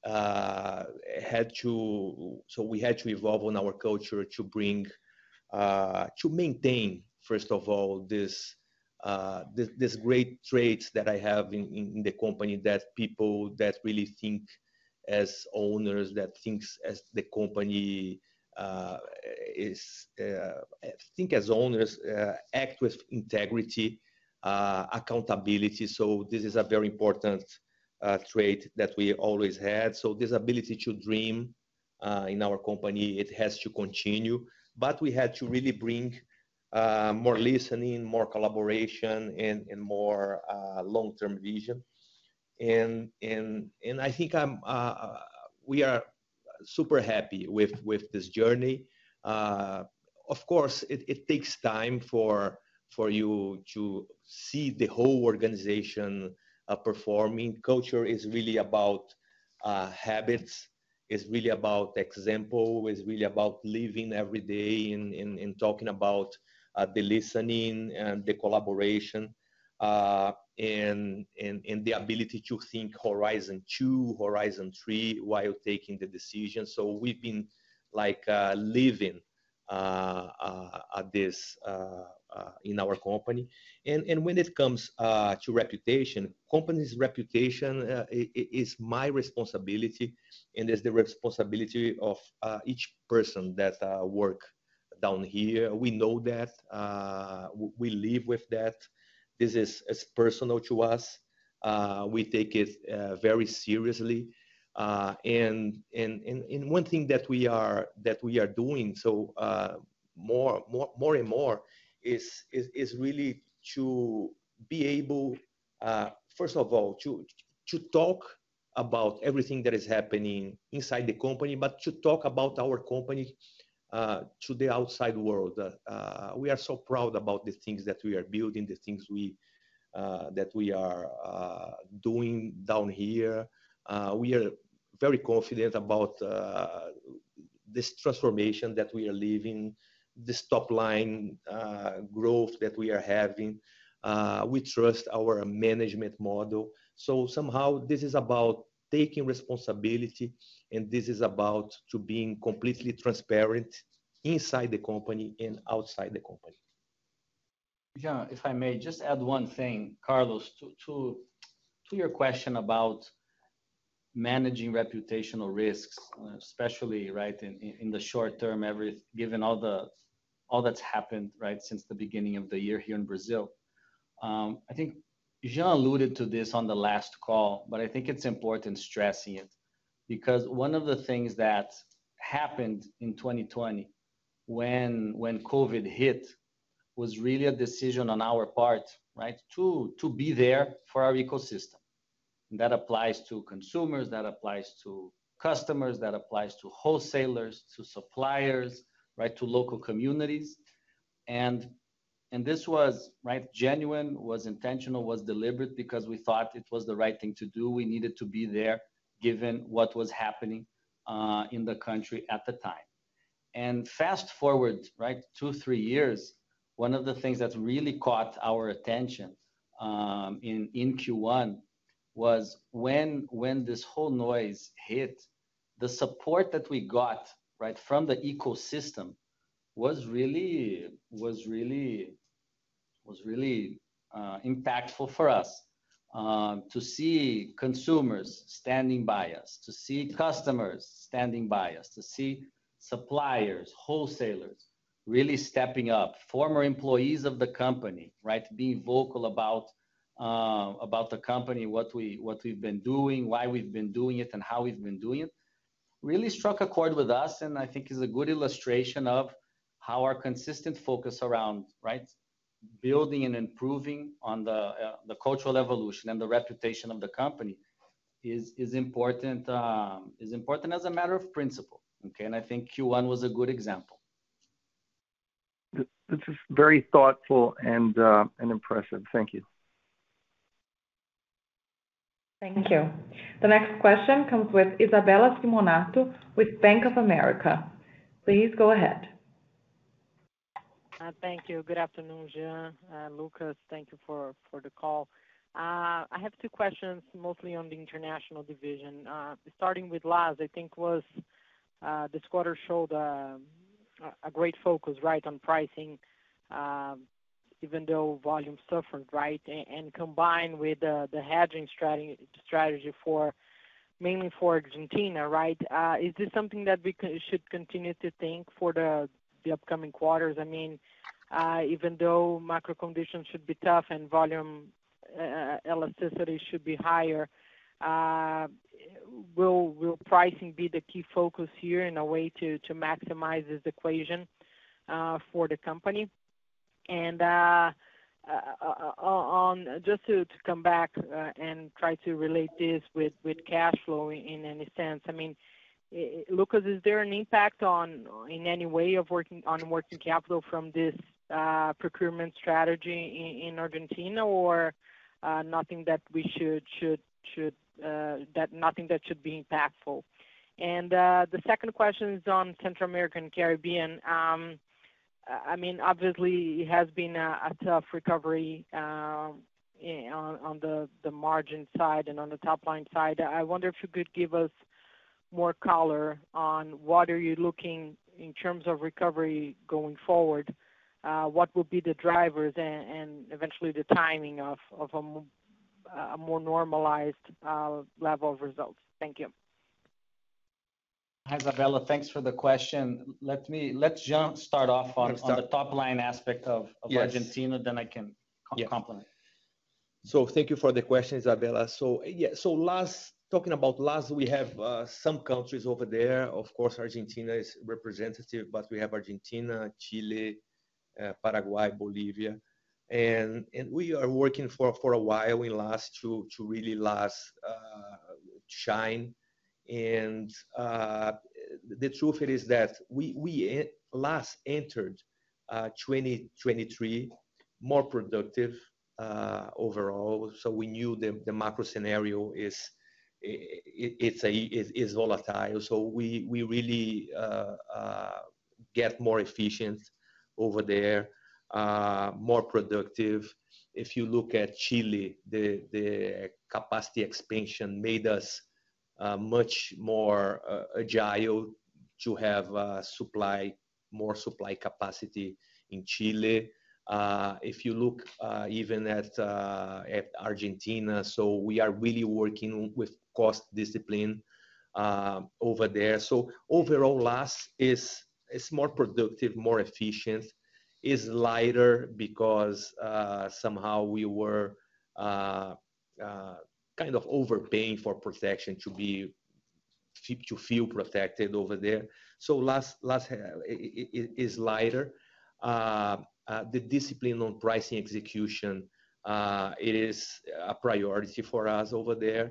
had to... We had to evolve on our culture to bring, to maintain first of all this great traits that I have in the company, that people that really think as owners, that thinks as the company, is, think as owners, act with integrity, accountability. This is a very important trait that we always had. This ability to dream in our company, it has to continue. We had to really bring more listening, more collaboration and more long-term vision. I think we are super happy with this journey. Of course it takes time for you to see the whole organization performing. Culture is really about habits. It's really about example. It's really about living every day and talking about the listening and the collaboration and the ability to think Horizon 2, Horizon 3 while taking the decision. We've been like living at this in our company. When it comes to reputation, company's reputation is my responsibility and is the responsibility of each person that work down here. We know that. We live with that. It's personal to us. We take it very seriously. And one thing that we are doing more and more is really to be able, first of all, to talk about everything that is happening inside the company, but to talk about our company to the outside world. We are so proud about the things that we are building, the things that we are doing down here. We are very confident about this transformation that we are living, this top line growth that we are having. We trust our management model. Somehow this is about taking responsibility, and this is about to being completely transparent inside the company and outside the company. Jean, if I may just add one thing, Carlos, to your question about managing reputational risks, especially, right, in the short term, given all that's happened, right, since the beginning of the year here in Brazil. I think Jean alluded to this on the last call, but I think it's important stressing it because one of the things that happened in 2020 when COVID hit was really a decision on our part, right, to be there for our ecosystem. That applies to consumers, that applies to customers, that applies to wholesalers, to suppliers, right, to local communities. This was, right, genuine, was intentional, was deliberate because we thought it was the right thing to do. We needed to be there given what was happening in the country at the time. Fast-forward, right, two, three years, one of the things that's really caught our attention, in Q1 was when this whole noise hit, the support that we got, right, from the ecosystem was really impactful for us. To see consumers standing by us, to see customers standing by us, to see suppliers, wholesalers really stepping up, former employees of the company, right, being vocal about the company, what we've been doing, why we've been doing it, and how we've been doing it, really struck a chord with us. I think is a good illustration of how our consistent focus around, right, building and improving on the cultural evolution and the reputation of the company is important as a matter of principle, okay? I think Q1 was a good example. This is very thoughtful and impressive. Thank you. Thank you. The next question comes with Isabella Simonato with Bank of America. Please go ahead. Thank you. Good afternoon, Jean, Lucas. Thank you for the call. I have two questions, mostly on the international division. Starting with LAS, I think this quarter showed a great focus, right, on pricing, even though volume suffered, right? Combined with the hedging strategy for, mainly for Argentina, right? Is this something that should continue to think for the upcoming quarters? I mean, even though macro conditions should be tough and volume elasticity should be higher, will pricing be the key focus here in a way to maximize this equation for the company? Just to come back and try to relate this with cash flow in any sense. I mean, Lucas, is there an impact on, in any way on working capital from this procurement strategy in Argentina or, nothing that we should, nothing that should be impactful? The second question is on Central American and Caribbean. I mean obviously it has been a tough recovery, you know, on the margin side and on the top line side. I wonder if you could give us more color on what are you looking in terms of recovery going forward, what will be the drivers and eventually the timing of a more normalized level of results. Thank you. Hi Isabella. Thanks for the question. Let's jump start off on- Let's start. On the top line aspect. Yes of Argentina, then I can co-complement. Yes. Thank you for the question, Isabella. LAS, talking about LAS, we have some countries over there. Of course, Argentina is representative, but we have Argentina, Chile, Paraguay, Bolivia. We are working for a while in LAS to really LAS shine. The truth it is that we LAS entered 2023 more productive overall, so we knew the macro scenario is it's a volatile. We really get more efficient over there, more productive. If you look at Chile, the capacity expansion made us much more agile to have supply, more supply capacity in Chile. If you look even at Argentina, we are really working with cost discipline over there. Overall, LAS is more productive, more efficient. Is lighter because somehow we were kind of overpaying for protection To feel protected over there. LAS is lighter. The discipline on pricing execution, it is a priority for us over there.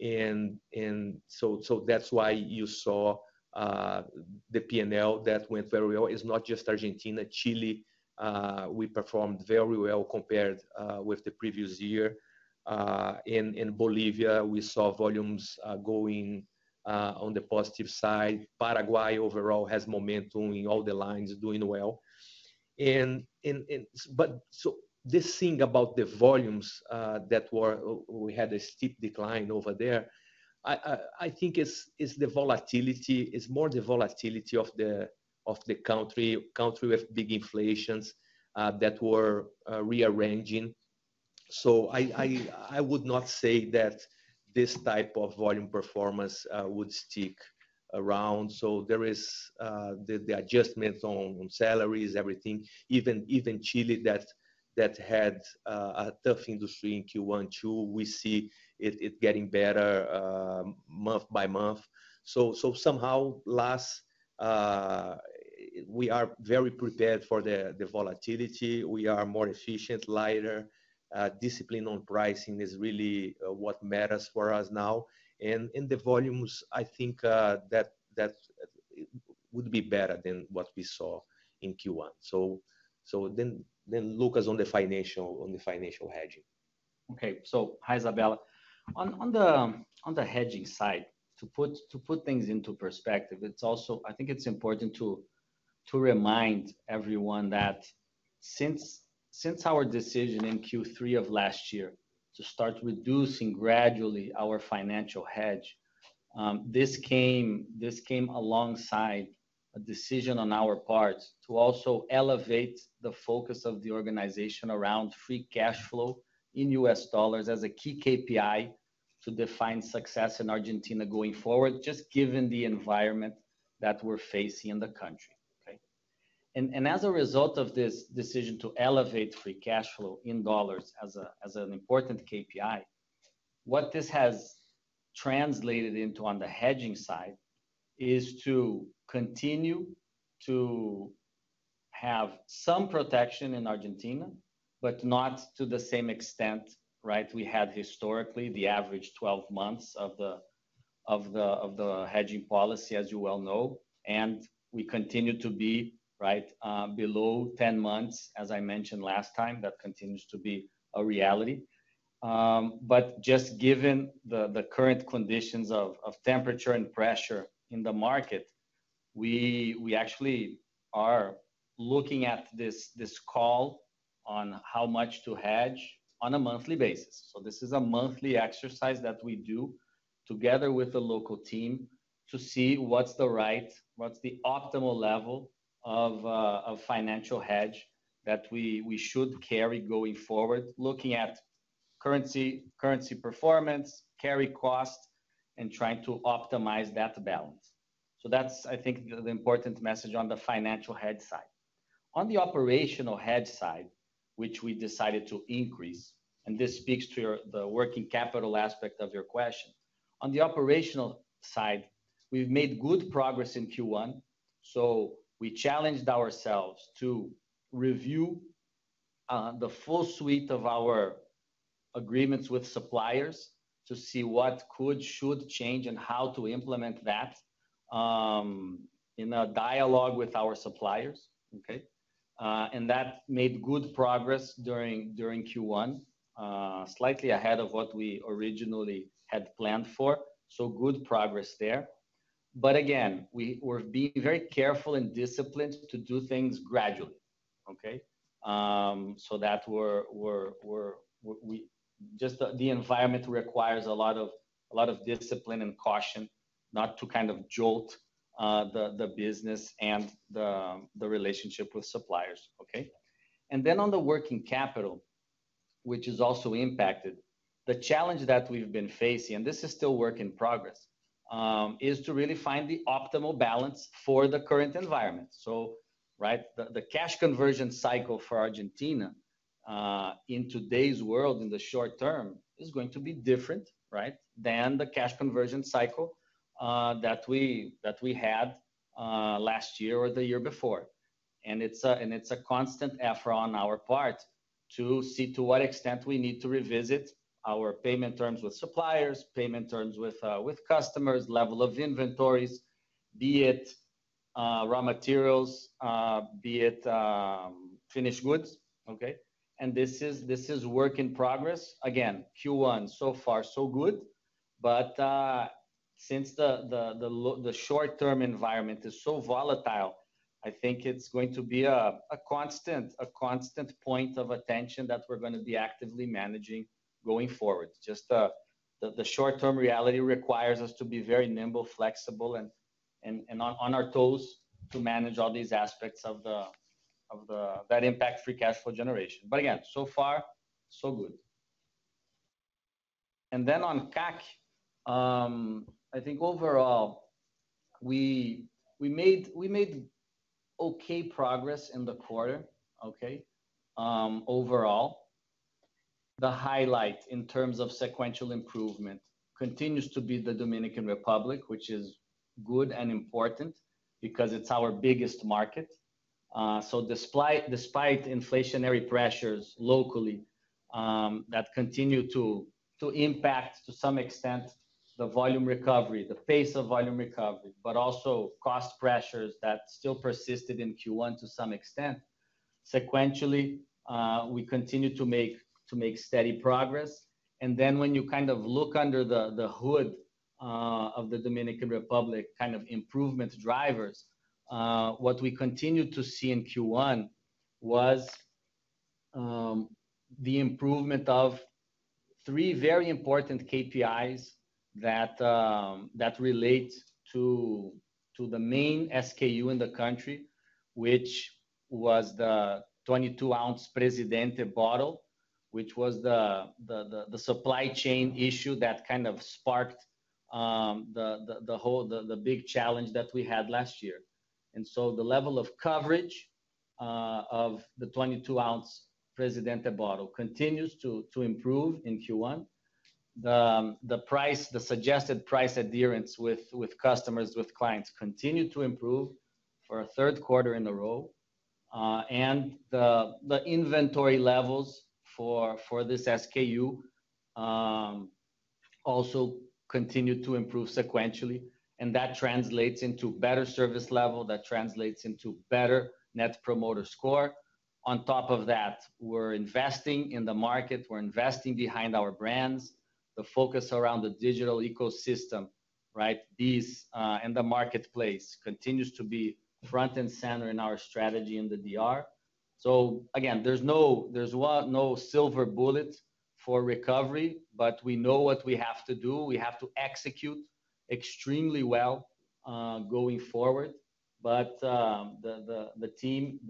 That's why you saw the P&L that went very well. It's not just Argentina. Chile, we performed very well compared with the previous year. In Bolivia, we saw volumes going on the positive side. Paraguay overall has momentum in all the lines, doing well. This thing about the volumes that were we had a steep decline over there, I think it's the volatility, it's more the volatility of the country with big inflations that were rearranging. I would not say that this type of volume performance would stick around. There is the adjustments on salaries, everything. Even Chile that had a tough industry in Q1, we see it getting better month by month. Somehow LAS, we are very prepared for the volatility. We are more efficient, lighter. Discipline on pricing is really what matters for us now. The volumes, I think, that would be better than what we saw in Q1. Lucas on the financial hedging. Hi, Isabella. On the hedging side, to put things into perspective, it's also. I think it's important to remind everyone that since our decision in Q3 of last year to start reducing gradually our financial hedge, this came alongside a decision on our part to also elevate the focus of the organization around Free Cash Flow in U.S. dollars as a key KPI to define success in Argentina going forward, just given the environment that we're facing in the country. Okay. As a result of this decision to elevate Free Cash Flow in dollars as an important KPI, what this has translated into on the hedging side is to continue to have some protection in Argentina, but not to the same extent, right, we had historically the average 12 months of the hedging policy, as you well know. We continue to be, right, below 10 months, as I mentioned last time. That continues to be a reality. Just given the current conditions of temperature and pressure in the market, we actually are looking at this call on how much to hedge on a monthly basis. This is a monthly exercise that we do together with the local team to see what's the right, what's the optimal level of financial hedge that we should carry going forward, looking at currency performance, carry costs, and trying to optimize that balance. That's, I think, the important message on the financial hedge side. On the operational hedge side, which we decided to increase, and this speaks to your the working capital aspect of your question. On the operational side, we've made good progress in Q1, so we challenged ourselves to review the full suite of our agreements with suppliers to see what could should change and how to implement that in a dialogue with our suppliers. Okay? And that made good progress during Q1, slightly ahead of what we originally had planned for, so good progress there. Again, we're being very careful and disciplined to do things gradually. Okay? So that Just the environment requires a lot of, a lot of discipline and caution not to kind of jolt the business and the relationship with suppliers. Okay? On the working capital, which is also impacted, the challenge that we've been facing, and this is still work in progress, is to really find the optimal balance for the current environment. Right, the cash conversion cycle for Argentina, in today's world, in the short term, is going to be different, right, than the cash conversion cycle that we had last year or the year before. It's a constant effort on our part to see to what extent we need to revisit our payment terms with suppliers, payment terms with customers, level of inventories, be it raw materials, be it finished goods. Okay. This is work in progress. Again, Q1, so far so good. Since the short-term environment is so volatile, I think it's going to be a constant point of attention that we're gonna be actively managing going forward. Just the short-term reality requires us to be very nimble, flexible, and on our toes to manage all these aspects of the that impact Free Cash Flow generation. Again, so far so good. On CAC, I think overall we made okay progress in the quarter, okay overall. The highlight in terms of sequential improvement continues to be the Dominican Republic, which is good and important because it's our biggest market. Despite inflationary pressures locally, that continue to impact to some extent the volume recovery, the pace of volume recovery, but also cost pressures that still persisted in Q1 to some extent, sequentially, we continue to make steady progress. When you kind of look under the hood of the Dominican Republic kind of improvement drivers, what we continued to see in Q1 was the improvement of three very important KPIs that relate to the main SKU in the country, which was the 22 ounce Presidente bottle, which was the supply chain issue that kind of sparked the big challenge that we had last year. The level of coverage of the 22 ounce Presidente bottle continues to improve in Q1. The price, the suggested price adherence with customers, with clients continued to improve for a third quarter in a row. The inventory levels for this SKU also continued to improve sequentially, and that translates into better service level, that translates into better net promoter score. On top of that, we're investing in the market, we're investing behind our brands. The focus around the digital ecosystem, right, these and the marketplace continues to be front and center in our strategy in the DR. Again, there's no silver bullet for recovery, but we know what we have to do. We have to execute extremely well going forward. The team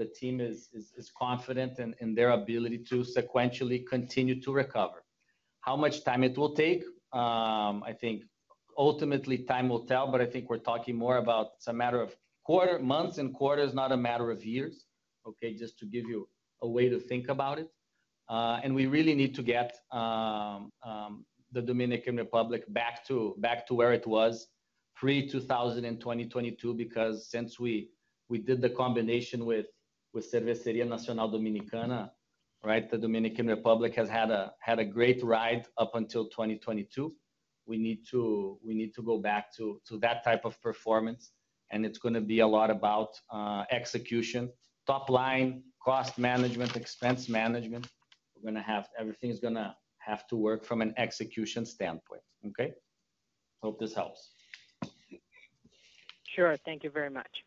is confident in their ability to sequentially continue to recover. How much time it will take? I think ultimately time will tell, but I think we're talking more about it's a matter of months and quarters, not a matter of years, okay, just to give you a way to think about it. We really need to get the Dominican Republic back to where it was pre 2022, because since we did the combination with Cervecería Nacional Dominicana, right, the Dominican Republic has had a great ride up until 2022. We need to go back to that type of performance, and it's gonna be a lot about execution, top line, cost management, expense management. Everything's gonna have to work from an execution standpoint. Okay? Hope this helps. Sure. Thank you very much.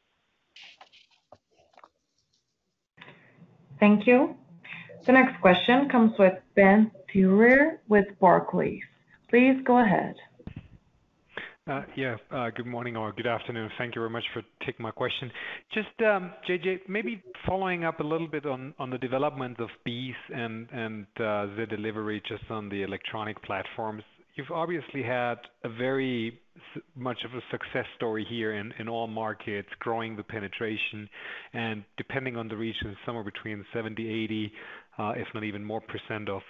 Thank you. The next question comes with Ben Theurer with Barclays. Please go ahead. Yeah, good morning or good afternoon. Thank you very much for taking my question. Just, Jean, maybe following up a little bit on the development of BEES and the delivery just on the electronic platforms. You've obviously had a very much of a success story here in all markets, growing the penetration and depending on the region, somewhere between 70, 80, if not even more percent of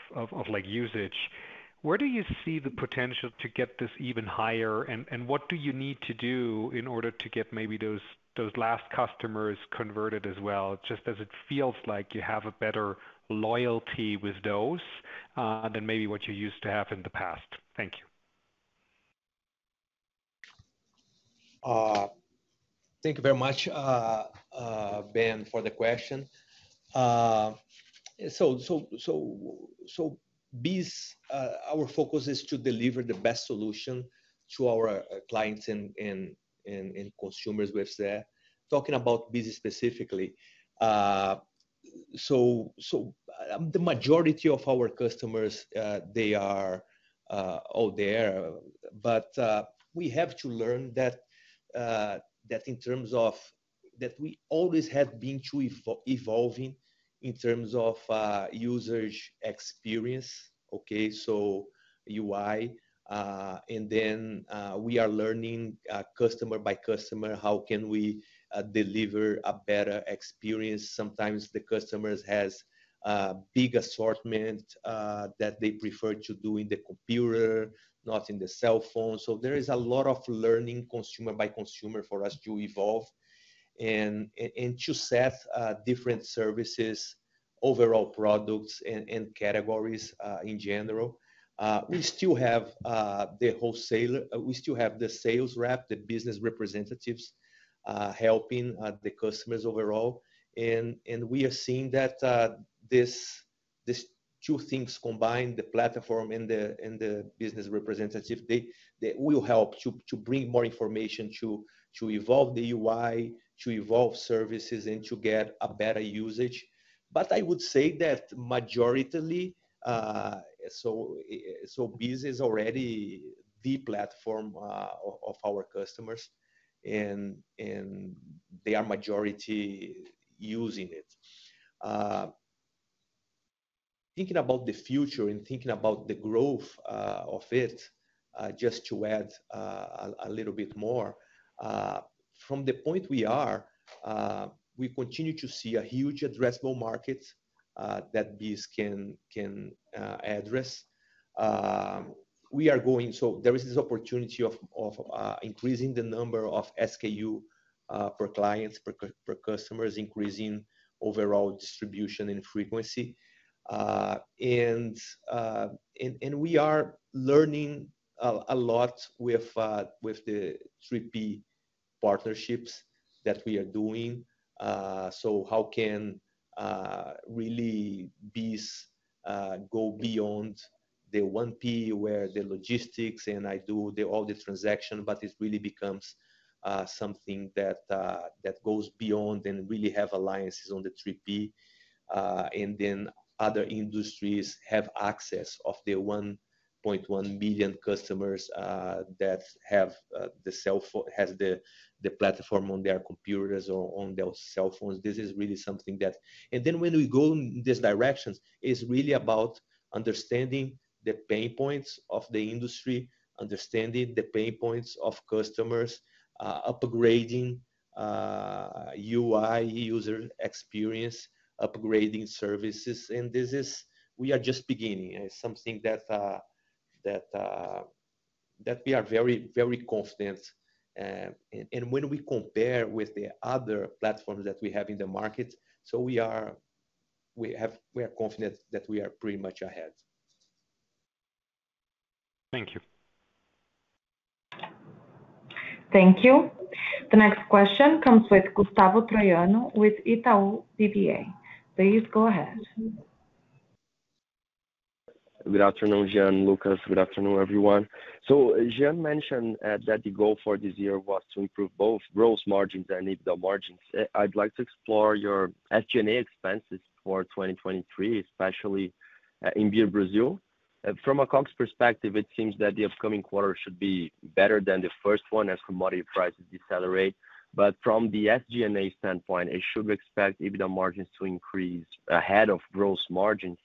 like usage. Where do you see the potential to get this even higher? What do you need to do in order to get maybe those last customers converted as well, just as it feels like you have a better loyalty with those than maybe what you used to have in the past? Thank you. Thank you very much, Ben, for the question. BEES, our focus is to deliver the best solution to our clients and consumers we have there. Talking about BEES specifically. The majority of our customers, they are all there, we always have been true evolving in terms of users experience. Okay. UI, we are learning customer by customer, how can we deliver a better experience. Sometimes the customers has a big assortment, that they prefer to do in the computer, not in the cell phone. There is a lot of learning consumer by consumer for us to evolve and to set different services, overall products and categories in general. We still have the sales rep, the business representatives, helping the customers overall. And we are seeing that these two things combined, the platform and the business representative, they will help to bring more information to evolve the UI, to evolve services and to get a better usage. I would say that majorly, BEES is already the platform of our customers and they are majority using it. Thinking about the future and thinking about the growth of it, just to add a little bit more from the point we are, we continue to see a huge addressable market that BEES can address. There is this opportunity of increasing the number of SKU per clients, per customers, increasing overall distribution and frequency. We are learning a lot with the 3P partnerships that we are doing. How can really BEES go beyond the 1P where the logistics and I do the all the transaction, but it really becomes something that goes beyond and really have alliances on the 3P. Then other industries have access of the 1.1 billion customers that have the platform on their computers or on their cell phones. This is really something that. When we go this directions is really about understanding the pain points of the industry, understanding the pain points of customers, upgrading UI user experience, upgrading services. This is. We are just beginning. It's something that we are very, very confident. When we compare with the other platforms that we have in the market, we are confident that we are pretty much ahead. Thank you. Thank you. The next question comes with Gustavo Troyano with Itaú BBA. Please go ahead. Good afternoon, Jean, Lucas. Good afternoon, everyone. Jean mentioned that the goal for this year was to improve both gross margins and EBITDA margins. I'd like to explore your SG&A expenses for 2023, especially in Beer Brazil. From a COGS perspective, it seems that the upcoming quarter should be better than the 1st one as commodity prices decelerate. From the SG&A standpoint, I should expect EBITDA margins to increase ahead of gross margins.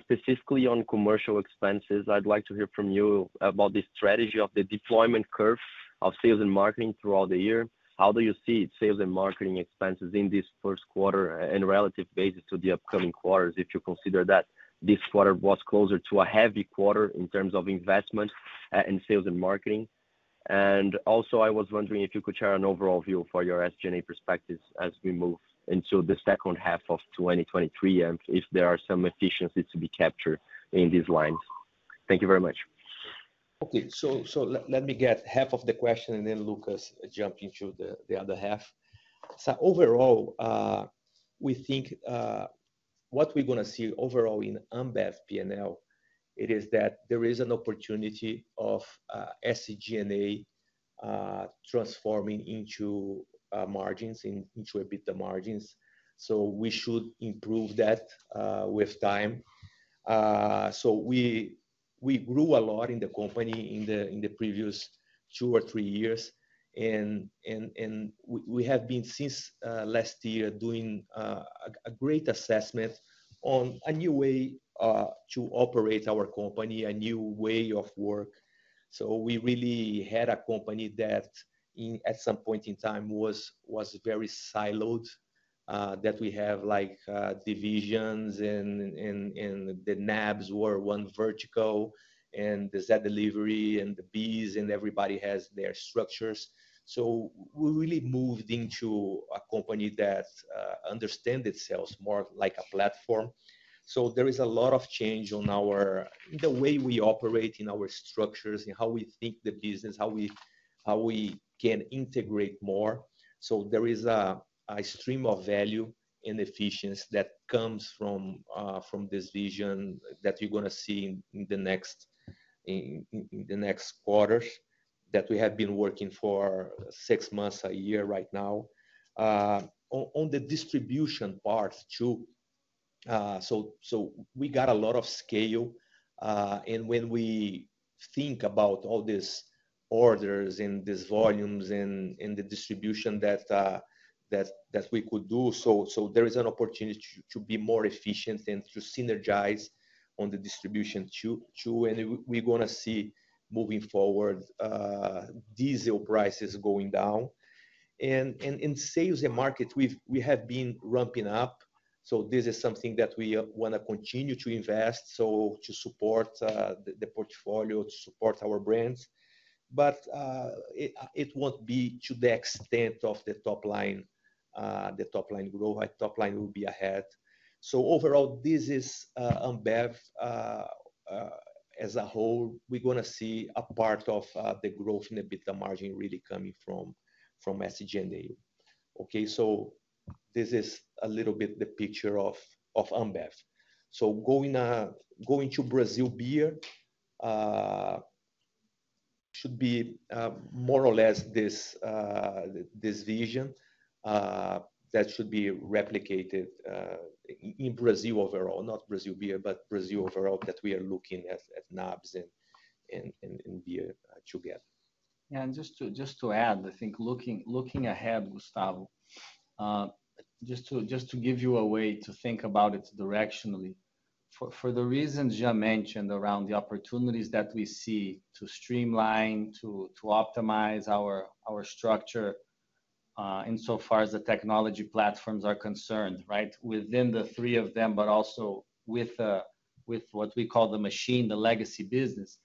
Specifically on commercial expenses, I'd like to hear from you about the strategy of the deployment curve of sales and marketing throughout the year. How do you see sales and marketing expenses in this 1st quarter and relative basis to the upcoming quarters, if you consider that this quarter was closer to a heavy quarter in terms of investment in sales and marketing? I was wondering if you could share an overall view for your SG&A perspectives as we move into the second half of 2023, if there are some efficiencies to be captured in these lines. Thank you very much. Okay. Let me get half of the question and then Lucas jump into the other half. Overall, we think what we're gonna see overall in Ambev P&L it is that there is an opportunity of SG&A transforming into EBITDA margins. We should improve that with time. We grew a lot in the company in the previous two or three years. We have been since last year doing a great assessment on a new way to operate our company, a new way of work. We really had a company that at some point in time was very siloed, that we have like, divisions and the NABs were one vertical and the Zé Delivery and the BEES, and everybody has their structures. We really moved into a company that understand itself more like a platform. There is a lot of change on our, the way we operate in our structures and how we think the business, how we can integrate more. There is a stream of value and efficiency that comes from this vision that you're gonna see in the next quarters that we have been working for six months, one year right now. On the distribution part too. So we got a lot of scale, and when we think about all these orders and these volumes and the distribution that we could do, so there is an opportunity to be more efficient and to synergize on the distribution too. And we're gonna see moving forward diesel prices going down. And in sales and market, we've been ramping up, so this is something that we wanna continue to invest so to support the portfolio, to support our brands. But it won't be to the extent of the top line, the top line growth. Top line will be ahead. So overall, this is Ambev as a whole. We're gonna see a part of the growth in EBITDA margin really coming from SG&A. Okay. This is a little bit the picture of Ambev. Going to Brazil Beer should be more or less this vision that should be replicated in Brazil overall. Not Brazil Beer, but Brazil overall that we are looking at NABs and beer together. Just to add, I think looking ahead, Gustavo, just to give you a way to think about it directionally. For the reasons Jean mentioned around the opportunities that we see to streamline, to optimize our structure, insofar as the technology platforms are concerned, right? Within the three of them, also with what we call the machine, the legacy business.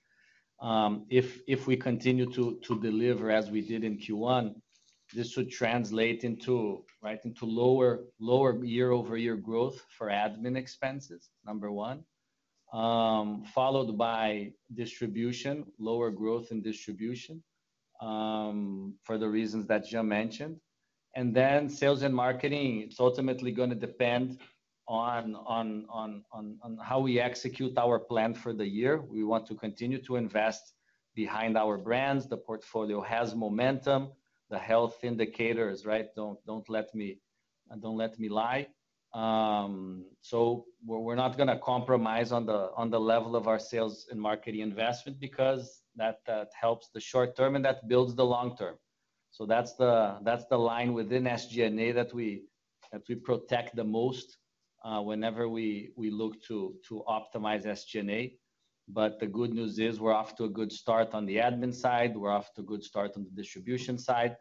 If we continue to deliver as we did in Q1, this would translate into, right, into lower year-over-year growth for admin expenses, number one. Followed by distribution, lower growth in distribution, for the reasons that Jean mentioned. Then sales and marketing, it's ultimately gonna depend on how we execute our plan for the year. We want to continue to invest behind our brands. The portfolio has momentum. The health indicators, right, don't let me lie. We're not gonna compromise on the level of our sales and marketing investment because that helps the short term, and that builds the long term. That's the line within SG&A that we protect the most whenever we look to optimize SG&A. The good news is we're off to a good start on the admin side, we're off to a good start on the distribution side.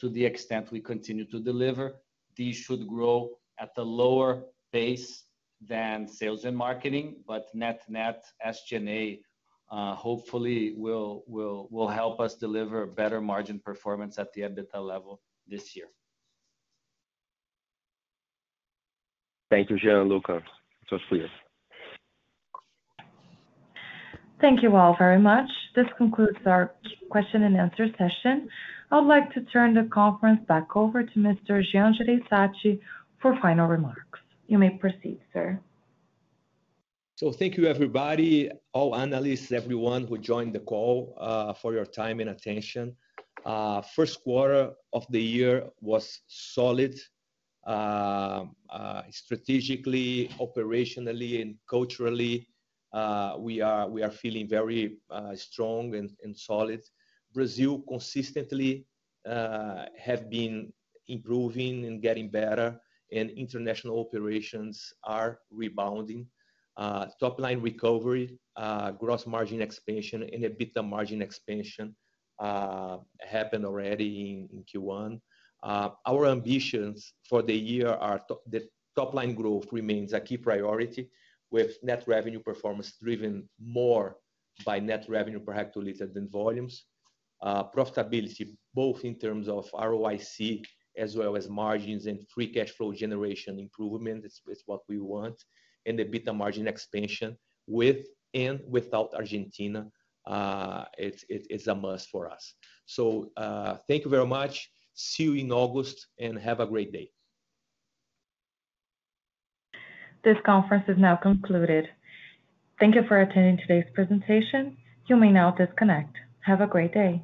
To the extent we continue to deliver, these should grow at a lower pace than sales and marketing, but net-net, SG&A, hopefully will help us deliver better margin performance at the EBITDA level this year. Thank you, Jean and Lucas. It was clear. Thank you all very much. This concludes our question and answer session. I would like to turn the conference back over to Mr. Jean Jereissati for final remarks. You may proceed, sir. Thank you everybody, all analysts, everyone who joined the call, for your time and attention. First quarter of the year was solid. Strategically, operationally, and culturally, we are feeling very strong and solid. Brazil consistently, have been improving and getting better, and international operations are rebounding. Top line recovery, gross margin expansion and EBITDA margin expansion, happened already in Q1. Our ambitions for the year are top line growth remains a key priority with net revenue performance driven more by net revenue per hectoliter than volumes. Profitability, both in terms of ROIC as well as margins and Free Cash Flow generation improvement is what we want. EBITDA margin expansion with and without Argentina, it's a must for us. Thank you very much. See you in August, and have a great day. This conference is now concluded. Thank you for attending today's presentation. You may now disconnect. Have a great day.